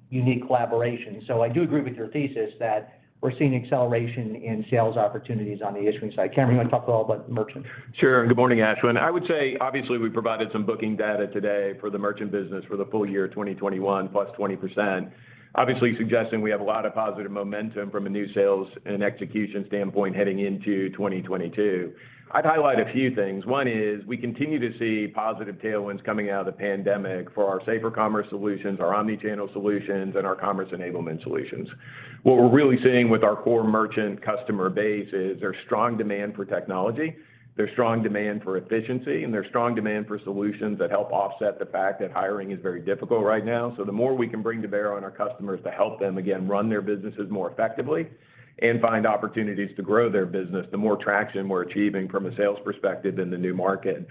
S3: unique collaboration. I do agree with your thesis that we're seeing acceleration in sales opportunities on the issuing side. Cameron, you want to talk at all about merchant?
S6: Sure. Good morning, Ashwin. I would say obviously we provided some booking data today for the merchant business for the full year 2021 +20%. Obviously suggesting we have a lot of positive momentum from a new sales and execution standpoint heading into 2022. I'd highlight a few things. One is we continue to see positive tailwinds coming out of the pandemic for our safer commerce solutions, our omni-channel solutions, and our commerce enablement solutions. What we're really seeing with our core merchant customer base is there's strong demand for technology, there's strong demand for efficiency, and there's strong demand for solutions that help offset the fact that hiring is very difficult right now. The more we can bring to bear on our customers to help them, again, run their businesses more effectively and find opportunities to grow their business, the more traction we're achieving from a sales perspective in the new market.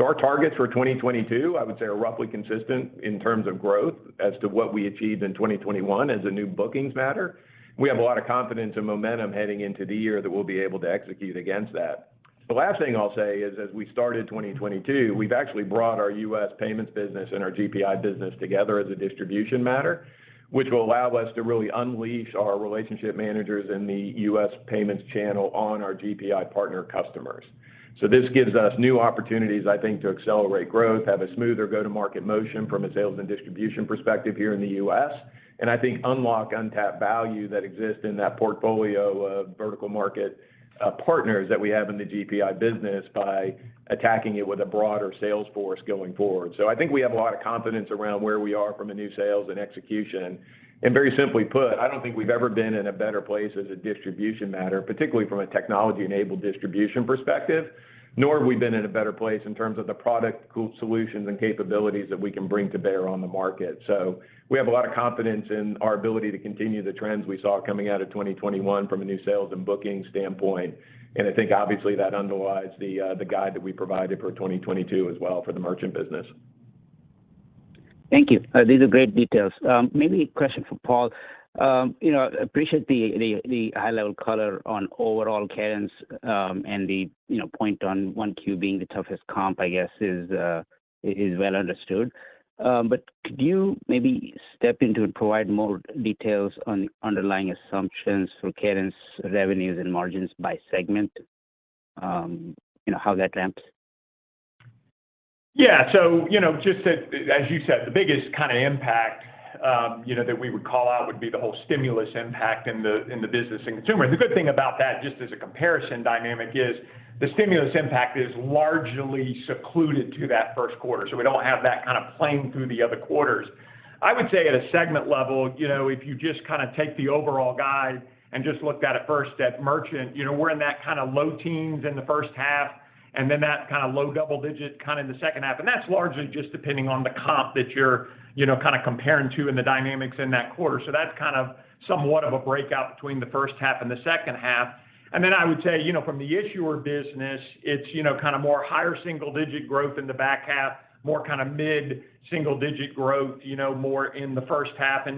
S6: Our targets for 2022, I would say are roughly consistent in terms of growth as to what we achieved in 2021 as a new bookings matter. We have a lot of confidence and momentum heading into the year that we'll be able to execute against that. The last thing I'll say is as we started 2022, we've actually brought our U.S. payments business and our GPI business together as a distribution matter, which will allow us to really unleash our relationship managers in the U.S. payments channel on our GPI partner customers. This gives us new opportunities, I think, to accelerate growth, have a smoother go-to-market motion from a sales and distribution perspective here in the U.S. I think unlock untapped value that exists in that portfolio of vertical market partners that we have in the GPI business by attacking it with a broader sales force going forward. I think we have a lot of confidence around where we are from a new sales and execution. Very simply put, I don't think we've ever been in a better place as a distribution matter, particularly from a technology-enabled distribution perspective, nor have we been in a better place in terms of the product solutions and capabilities that we can bring to bear on the market. We have a lot of confidence in our ability to continue the trends we saw coming out of 2021 from a new sales and booking standpoint. I think obviously that underlies the guide that we provided for 2022 as well for the merchant business.
S8: Thank you. These are great details. Maybe a question for Paul. You know, I appreciate the high-level color on overall cadence, and you know, the point on 1Q being the toughest comp, I guess, is well understood. But could you maybe step in and provide more details on underlying assumptions for cadence revenues and margins by segment? You know how that ramps.
S4: Yeah. You know, just as you said, the biggest kind of impact you know, that we would call out would be the whole stimulus impact in the business and consumer. The good thing about that, just as a comparison dynamic is the stimulus impact is largely confined to that first quarter. We don't have that kind of playing through the other quarters. I would say at a segment level, you know, if you just kind of take the overall guide and just looked at it first at merchant, you know, we're in that kind of low teens% in the first half and then that kind of low double-digit in the second half. That's largely just depending on the comp that you're you know, kind of comparing to in the dynamics in that quarter. That's kind of somewhat of a breakout between the first half and the second half. I would say, you know, from the issuer business, it's, you know, kind of more higher single digit growth in the back half, more kind of mid-single digit growth, you know, more in the first half.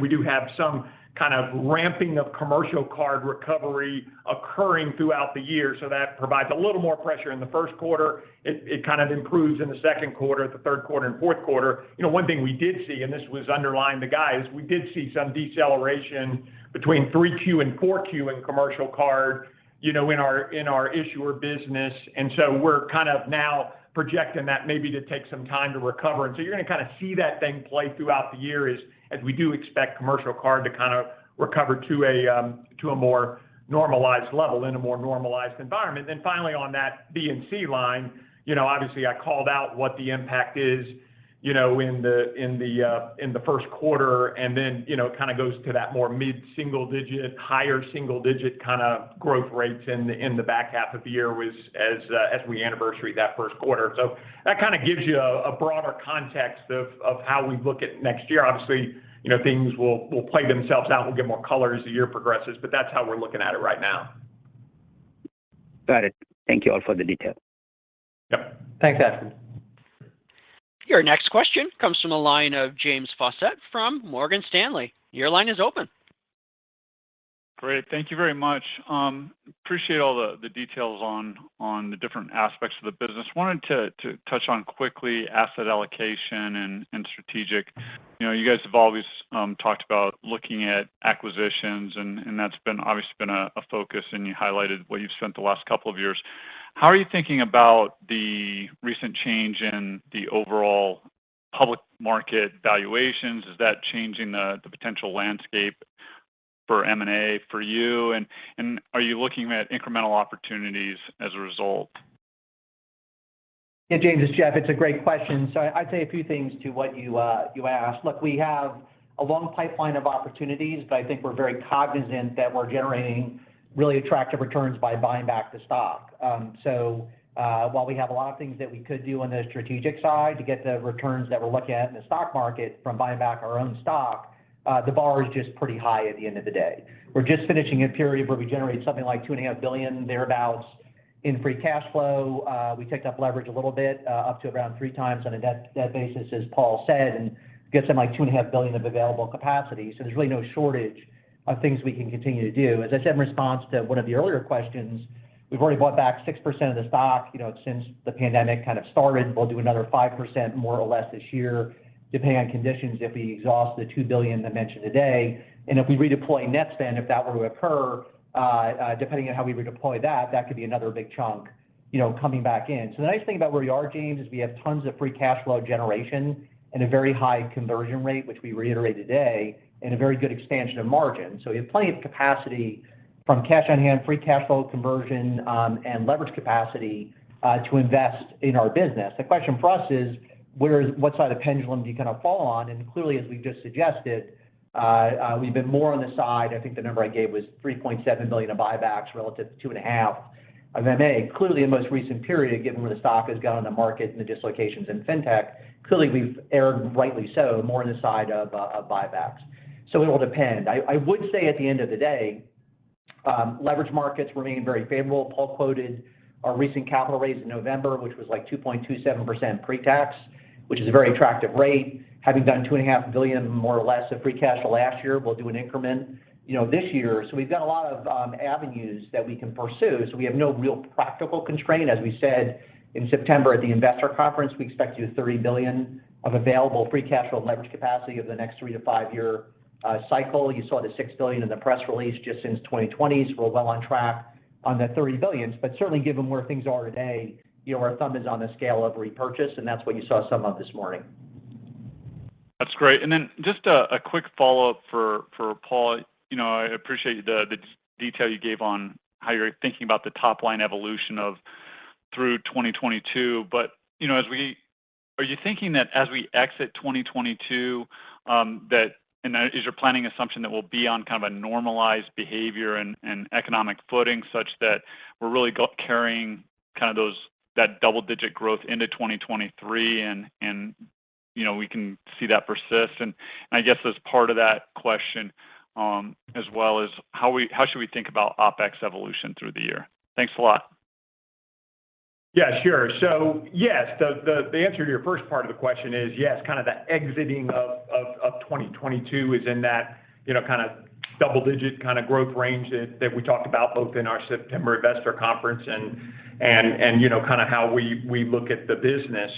S4: We do have some kind of ramping of commercial card recovery occurring throughout the year. That provides a little more pressure in the first quarter. It kind of improves in the second quarter, the third quarter and fourth quarter. You know, one thing we did see, and this was underlying the guide, is we did see some deceleration between 3Q and 4Q in commercial card, you know, in our issuer business. We're kind of now projecting that maybe to take some time to recover. You're gonna kinda see that thing play out throughout the year, as we do expect commercial card to kind of recover to a more normalized level in a more normalized environment. Finally on that B&C line, you know, obviously I called out what the impact is, you know, in the first quarter and then, you know, it kind of goes to that more mid-single-digit, higher single-digit kind of growth rates in the back half of the year as we anniversary that first quarter. That kind of gives you a broader context of how we look at next year. Obviously, you know, things will play themselves out. We'll give more color as the year progresses, but that's how we're looking at it right now.
S8: Got it. Thank you all for the detail.
S4: Yep.
S3: Thanks, Ashwin Shirvaikar.
S1: Your next question comes from the line of James Faucette from Morgan Stanley. Your line is open.
S9: Great. Thank you very much. Appreciate all the details on the different aspects of the business. Wanted to touch on quickly asset allocation and strategic. You know, you guys have always talked about looking at acquisitions and that's been obviously a focus and you highlighted where you've spent the last couple of years. How are you thinking about the recent change in the overall public market valuations? Is that changing the potential landscape for M&A for you? Are you looking at incremental opportunities as a result?
S3: Yeah, James, it's Jeff. It's a great question. I'd say a few things to what you asked. Look, we have a long pipeline of opportunities, but I think we're very cognizant that we're generating really attractive returns by buying back the stock. While we have a lot of things that we could do on the strategic side to get the returns that we're looking at in the stock market from buying back our own stock, the bar is just pretty high at the end of the day. We're just finishing a period where we generated something like $2.5 billion thereabouts in free cash flow. We ticked up leverage a little bit, up to around three times on a debt basis, as Paul said, and gets to like $2.5 billion of available capacity. There's really no shortage of things we can continue to do. As I said in response to one of the earlier questions, we've already bought back 6% of the stock, you know, since the pandemic kind of started. We'll do another 5% more or less this year, depending on conditions, if we exhaust the $2 billion I mentioned today. If we redeploy Netspend, if that were to occur, depending on how we redeploy that could be another big chunk, you know, coming back in. The nice thing about where we are, James, is we have tons of free cash flow generation and a very high conversion rate, which we reiterated today, and a very good expansion of margin. We have plenty of capacity from cash on hand, free cash flow conversion, and leverage capacity to invest in our business. The question for us is, what side of the pendulum do you kind of fall on? Clearly, as we've just suggested, we've been more on the side. I think the number I gave was $3.7 billion of buybacks relative to $2.5 billion of M&A. Clearly, the most recent period, given where the stock has gone in the market and the dislocations in Fintech, clearly we've erred rightly so more on the side of buybacks. It'll depend. I would say at the end of the day, leverage markets remain very favorable. Paul quoted our recent capital raise in November, which was like 2.27% pre-tax, which is a very attractive rate. Having done $2.5 billion more or less of free cash flow last year, we'll do an increment, you know, this year. We've got a lot of avenues that we can pursue. We have no real practical constraint. As we said in September at the investor conference, we expect $30 billion of available free cash flow and leverage capacity over the next 3- to 5-year cycle. You saw the $6 billion in the press release just since 2020. We're well on track on that $30 billion. Certainly given where things are today, you know, our thumb is on the scale of repurchase, and that's what you saw some of this morning.
S9: That's great. Then just a quick follow-up for Paul. You know, I appreciate the detail you gave on how you're thinking about the top line evolution through 2022. But you know, are you thinking that as we exit 2022, that is your planning assumption that we'll be on kind of a normalized behavior and economic footing such that we're really going to carry kind of those, that double-digit growth into 2023 and, you know, we can see that persist? I guess as part of that question, as well, is how should we think about OpEx evolution through the year? Thanks a lot.
S4: Yeah, sure. Yes, the answer to your first part of the question is yes, kind of the exit in 2022 is in that, you know, kind of double-digit growth range that we talked about both in our September investor conference and, you know, kind of how we look at the business.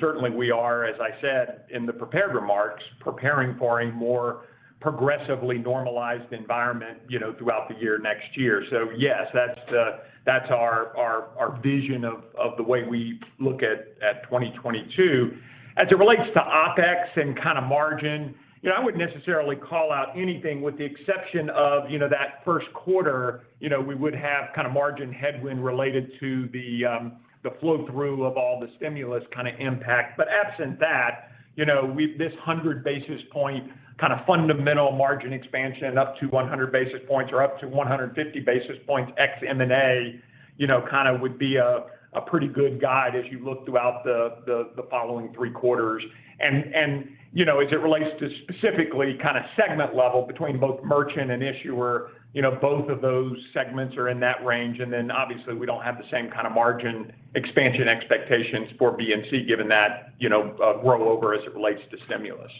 S4: Certainly we are, as I said in the prepared remarks, preparing for a more progressively normalized environment, you know, throughout the year next year. Yes, that's our vision of the way we look at 2022. As it relates to OpEx and kind of margin, you know, I wouldn't necessarily call out anything with the exception of, you know, that first quarter, you know, we would have kind of margin headwind related to the flow-through of all the stimulus kind of impact. Absent that, you know, this 100 basis point kind of fundamental margin expansion and up to 100 basis points or up to 150 basis points ex M&A, you know, kind of would be a pretty good guide as you look throughout the following three quarters. You know, as it relates to specifically kind of segment level between both merchant and issuer, you know, both of those segments are in that range. Obviously we don't have the same kind of margin expansion expectations for B&C given that, you know, rollover as it relates to stimulus.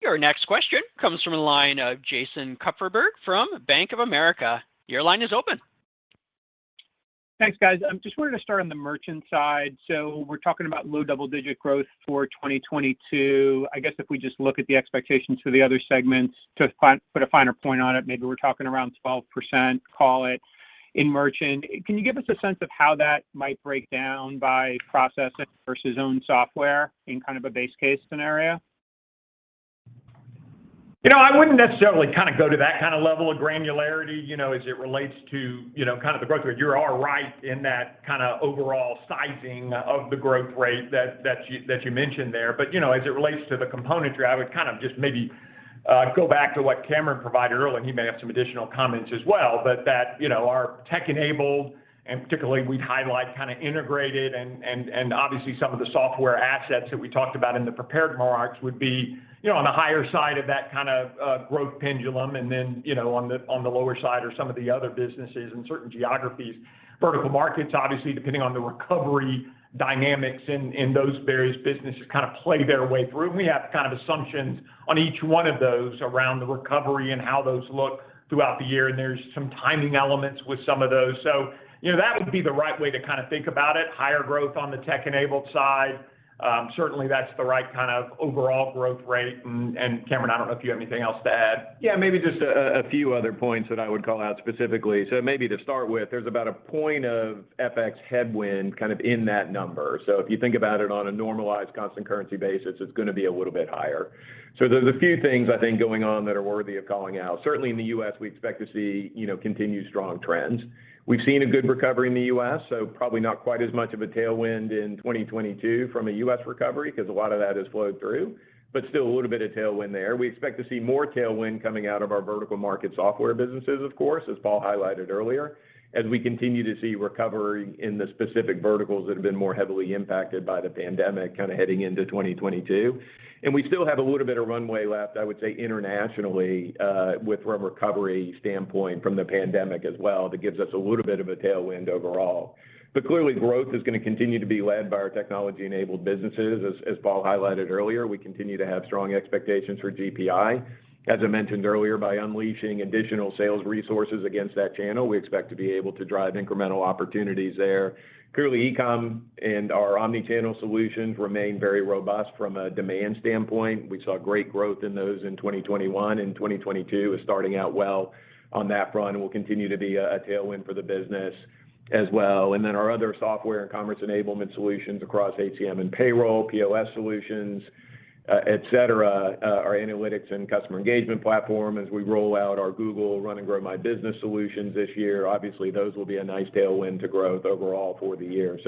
S1: Your next question comes from the line of Jason Kupferberg from Bank of America. Your line is open.
S10: Thanks, guys. I just wanted to start on the merchant side. We're talking about low double-digit growth for 2022. I guess if we just look at the expectations for the other segments, put a finer point on it, maybe we're talking around 12%, call it, in merchant. Can you give us a sense of how that might break down by processing versus own software in kind of a base case scenario?
S4: You know, I wouldn't necessarily kind of go to that kind of level of granularity, you know, as it relates to, you know, kind of the growth rate. You are right in that kind of overall sizing of the growth rate that you mentioned there. You know, as it relates to the components, I would kind of just maybe go back to what Cameron provided earlier, and he may have some additional comments as well. That, you know, our tech-enabled, and particularly we'd highlight kind of integrated and obviously some of the software assets that we talked about in the prepared remarks would be, you know, on the higher side of that kind of growth pendulum, and then, you know, on the lower side are some of the other businesses in certain geographies. Vertical markets, obviously, depending on the recovery dynamics in those various businesses, kind of play their way through. We have kind of assumptions on each one of those around the recovery and how those look throughout the year, and there's some timing elements with some of those. You know, that would be the right way to kind of think about it, higher growth on the tech-enabled side. Certainly that's the right kind of overall growth rate. Cameron, I don't know if you have anything else to add.
S6: Yeah, maybe just a few other points that I would call out specifically. Maybe to start with, there's about a point of FX headwind kind of in that number. If you think about it on a normalized constant currency basis, it's gonna be a little bit higher. There's a few things I think going on that are worthy of calling out. Certainly in the U.S., we expect to see, you know, continued strong trends. We've seen a good recovery in the U.S., so probably not quite as much of a tailwind in 2022 from a U.S. recovery, 'cause a lot of that has flowed through, but still a little bit of tailwind there. We expect to see more tailwind coming out of our vertical market software businesses of course, as Paul highlighted earlier, as we continue to see recovery in the specific verticals that have been more heavily impacted by the pandemic kind of heading into 2022. We still have a little bit of runway left, I would say, internationally, from a recovery standpoint from the pandemic as well. That gives us a little bit of a tailwind overall. Clearly growth is gonna continue to be led by our technology-enabled businesses. As Paul highlighted earlier, we continue to have strong expectations for GPI. As I mentioned earlier, by unleashing additional sales resources against that channel, we expect to be able to drive incremental opportunities there. Clearly, e-com and our omni-channel solutions remain very robust from a demand standpoint. We saw great growth in those in 2021, and 2022 is starting out well on that front and will continue to be a tailwind for the business as well. Then our other software and commerce enablement solutions across HCM and payroll, POS solutions, et cetera, our analytics and customer engagement platform as we roll out our Google Run and Grow My Business solutions this year. Obviously, those will be a nice tailwind to growth overall for the year.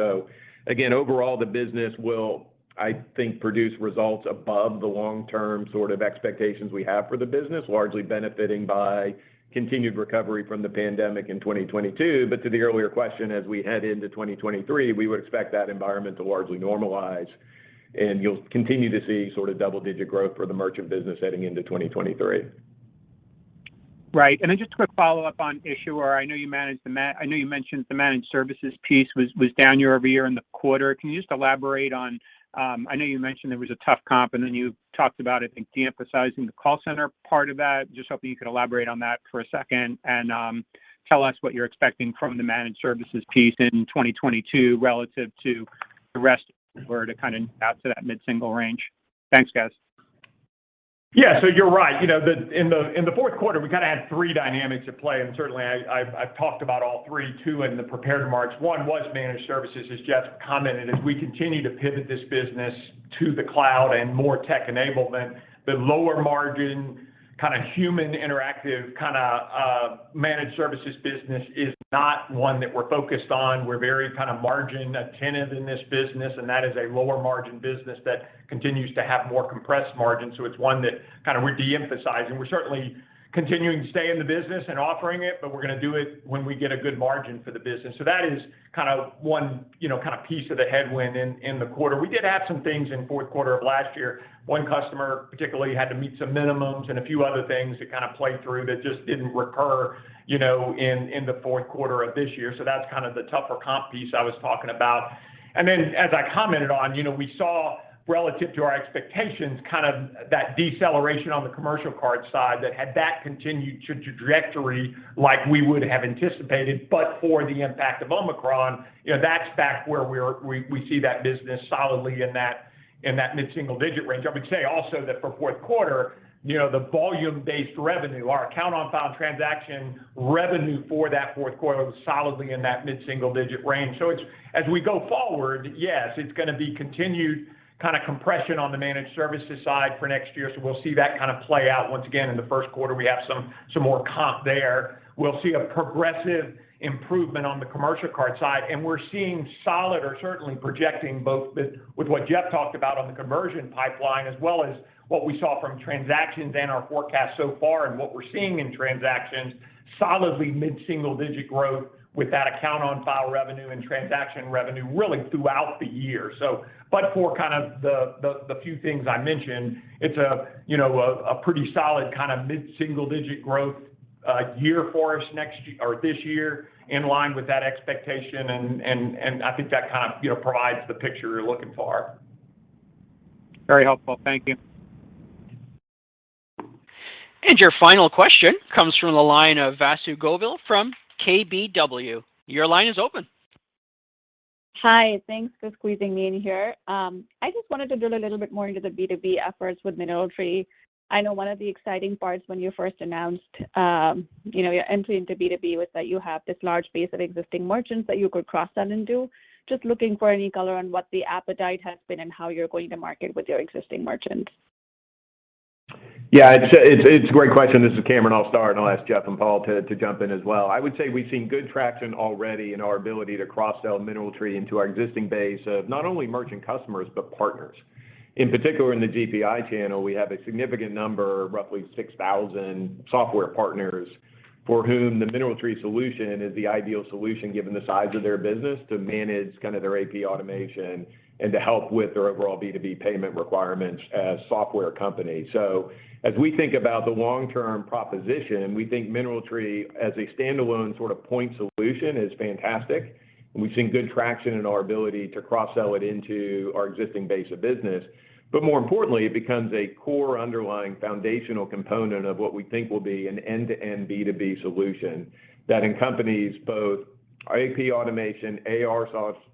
S6: Again, overall the business will, I think, produce results above the long-term sort of expectations we have for the business, largely benefiting by continued recovery from the pandemic in 2022. To the earlier question, as we head into 2023, we would expect that environment to largely normalize, and you'll continue to see sort of double-digit growth for the merchant business heading into 2023.
S10: Right. Then just a quick follow-up on issuer. I know you mentioned the managed services piece was down year-over-year in the quarter. Can you just elaborate on I know you mentioned there was a tough comp, and then you talked about it, I think, de-emphasizing the call center part of that. Just hoping you could elaborate on that for a second and tell us what you're expecting from the managed services piece in 2022 relative to the rest where to kind of get to that mid-single range. Thanks, guys.
S4: Yeah. You're right. You know, in the fourth quarter, we kind of had three dynamics at play, and certainly I've talked about all three too in the prepared remarks. One was managed services, as Jeff commented. As we continue to pivot this business to the cloud and more tech-enabled, then the lower margin kind of human interactive kinda managed services business is not one that we're focused on. We're very kind of margin attentive in this business, and that is a lower margin business that continues to have more compressed margins. It's one that kind of we're de-emphasizing. We're certainly continuing to stay in the business and offering it, but we're gonna do it when we get a good margin for the business. That is kind of one, you know, kind of piece of the headwind in the quarter. We did have some things in fourth quarter of last year. One customer particularly had to meet some minimums and a few other things that kind of played through that just didn't recur, you know, in the fourth quarter of this year. That's kind of the tougher piece I was talking about. Then as I commented on, you know, we saw relative to our expectations kind of that deceleration on the commercial card side that had that continued trajectory like we would have anticipated but for the impact of Omicron. You know, that's back where we see that business solidly in that mid-single digit range. I would say also that for fourth quarter, you know, the volume-based revenue, our account-on-file transaction revenue for that fourth quarter was solidly in that mid-single digit range. It's gonna be continued kind of compression on the managed services side for next year, so we'll see that kind of play out once again in the first quarter. We have some more comp there.
S6: We'll see a progressive improvement on the commercial card side, and we're seeing solid or certainly projecting both with what Jeff talked about on the conversion pipeline as well as what we saw from transactions and our forecast so far and what we're seeing in transactions solidly mid-single-digit growth with that account-on-file revenue and transaction revenue really throughout the year. But for kind of the few things I mentioned, it's a you know a pretty solid kind of mid-single-digit growth year for us next year or this year in line with that expectation and I think that kind of you know provides the picture you're looking for.
S10: Very helpful. Thank you.
S1: Your final question comes from the line of Vasu Govil from KBW. Your line is open.
S11: Hi. Thanks for squeezing me in here. I just wanted to drill a little bit more into the B2B efforts with MineralTree. I know one of the exciting parts when you first announced, you know, your entry into B2B was that you have this large base of existing merchants that you could cross-sell into. Just looking for any color on what the appetite has been and how you're going to market with your existing merchants.
S6: Yeah, it's a great question. This is Cameron. I'll start, and I'll ask Jeff and Paul to jump in as well. I would say we've seen good traction already in our ability to cross-sell MineralTree into our existing base of not only merchant customers, but partners. In particular, in the GPI channel, we have a significant number, roughly 6,000 software partners for whom the MineralTree solution is the ideal solution given the size of their business to manage kind of their AP automation and to help with their overall B2B payment requirements as software companies. As we think about the long-term proposition, we think MineralTree as a standalone sort of point solution is fantastic. We've seen good traction in our ability to cross-sell it into our existing base of business. More importantly, it becomes a core underlying foundational component of what we think will be an end-to-end B2B solution that encompasses both AP automation, AR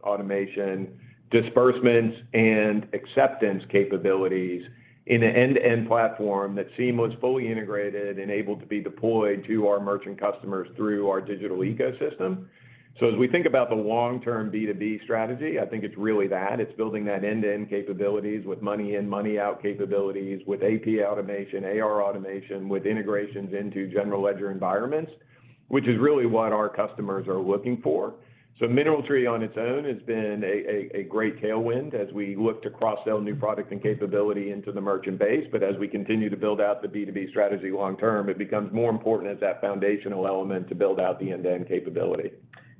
S6: automation, disbursements, and acceptance capabilities in an end-to-end platform that's seamless, fully integrated, and able to be deployed to our merchant customers through our digital ecosystem. As we think about the long-term B2B strategy, I think it's really that. It's building that end-to-end capabilities with money in, money out capabilities with AP automation, AR automation, with integrations into general ledger environments, which is really what our customers are looking for. MineralTree on its own has been a great tailwind as we look to cross-sell new product and capability into the merchant base. As we continue to build out the B2B strategy long term, it becomes more important as that foundational element to build out the end-to-end capability.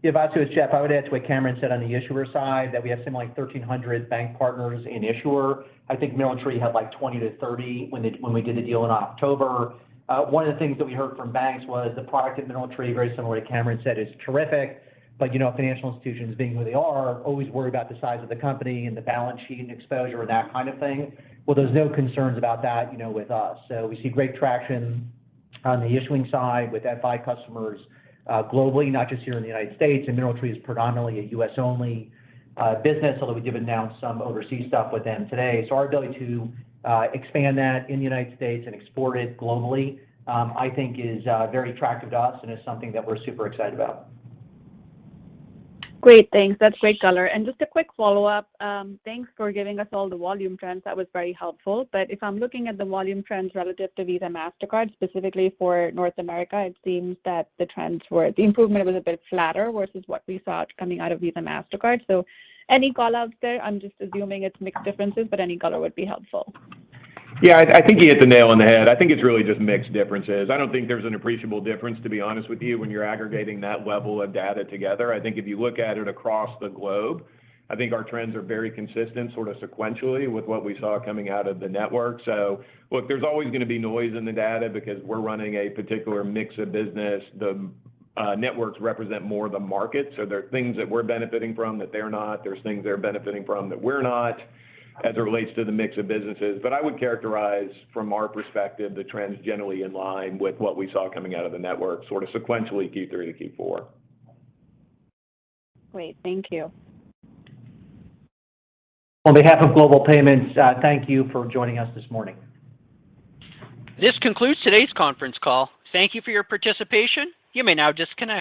S3: Yeah. Vasu, it's Jeff. I would add to what Cameron said on the issuer side that we have something like 1,300 bank partners in issuer. I think MineralTree had like 20-30 when we did the deal in October. One of the things that we heard from banks was the product at MineralTree, very similar to Cameron said, is terrific. But you know, financial institutions being who they are, always worry about the size of the company and the balance sheet exposure and that kind of thing. Well, there's no concerns about that, you know, with us. We see great traction on the issuing side with FI customers, globally, not just here in the United States. MineralTree is predominantly a US-only business, although we did announce some overseas stuff with them today. Our ability to expand that in the United States and export it globally, I think is very attractive to us and is something that we're super excited about.
S11: Great. Thanks. That's great color. Just a quick follow-up. Thanks for giving us all the volume trends. That was very helpful. If I'm looking at the volume trends relative to Visa, Mastercard, specifically for North America, it seems that the improvement was a bit flatter versus what we saw coming out of Visa, Mastercard. Any call-outs there? I'm just assuming it's mixed differences, but any color would be helpful.
S6: Yeah. I think you hit the nail on the head. I think it's really just mixed differences. I don't think there's an appreciable difference, to be honest with you, when you're aggregating that level of data together. I think if you look at it across the globe, I think our trends are very consistent sort of sequentially with what we saw coming out of the network. Look, there's always gonna be noise in the data because we're running a particular mix of business. The networks represent more of the market, so there are things that we're benefiting from that they're not, there's things they're benefiting from that we're not as it relates to the mix of businesses. I would characterize from our perspective the trends generally in line with what we saw coming out of the network sort of sequentially Q3 to Q4.
S11: Great. Thank you.
S3: On behalf of Global Payments, thank you for joining us this morning.
S1: This concludes today's conference call. Thank you for your participation. You may now disconnect.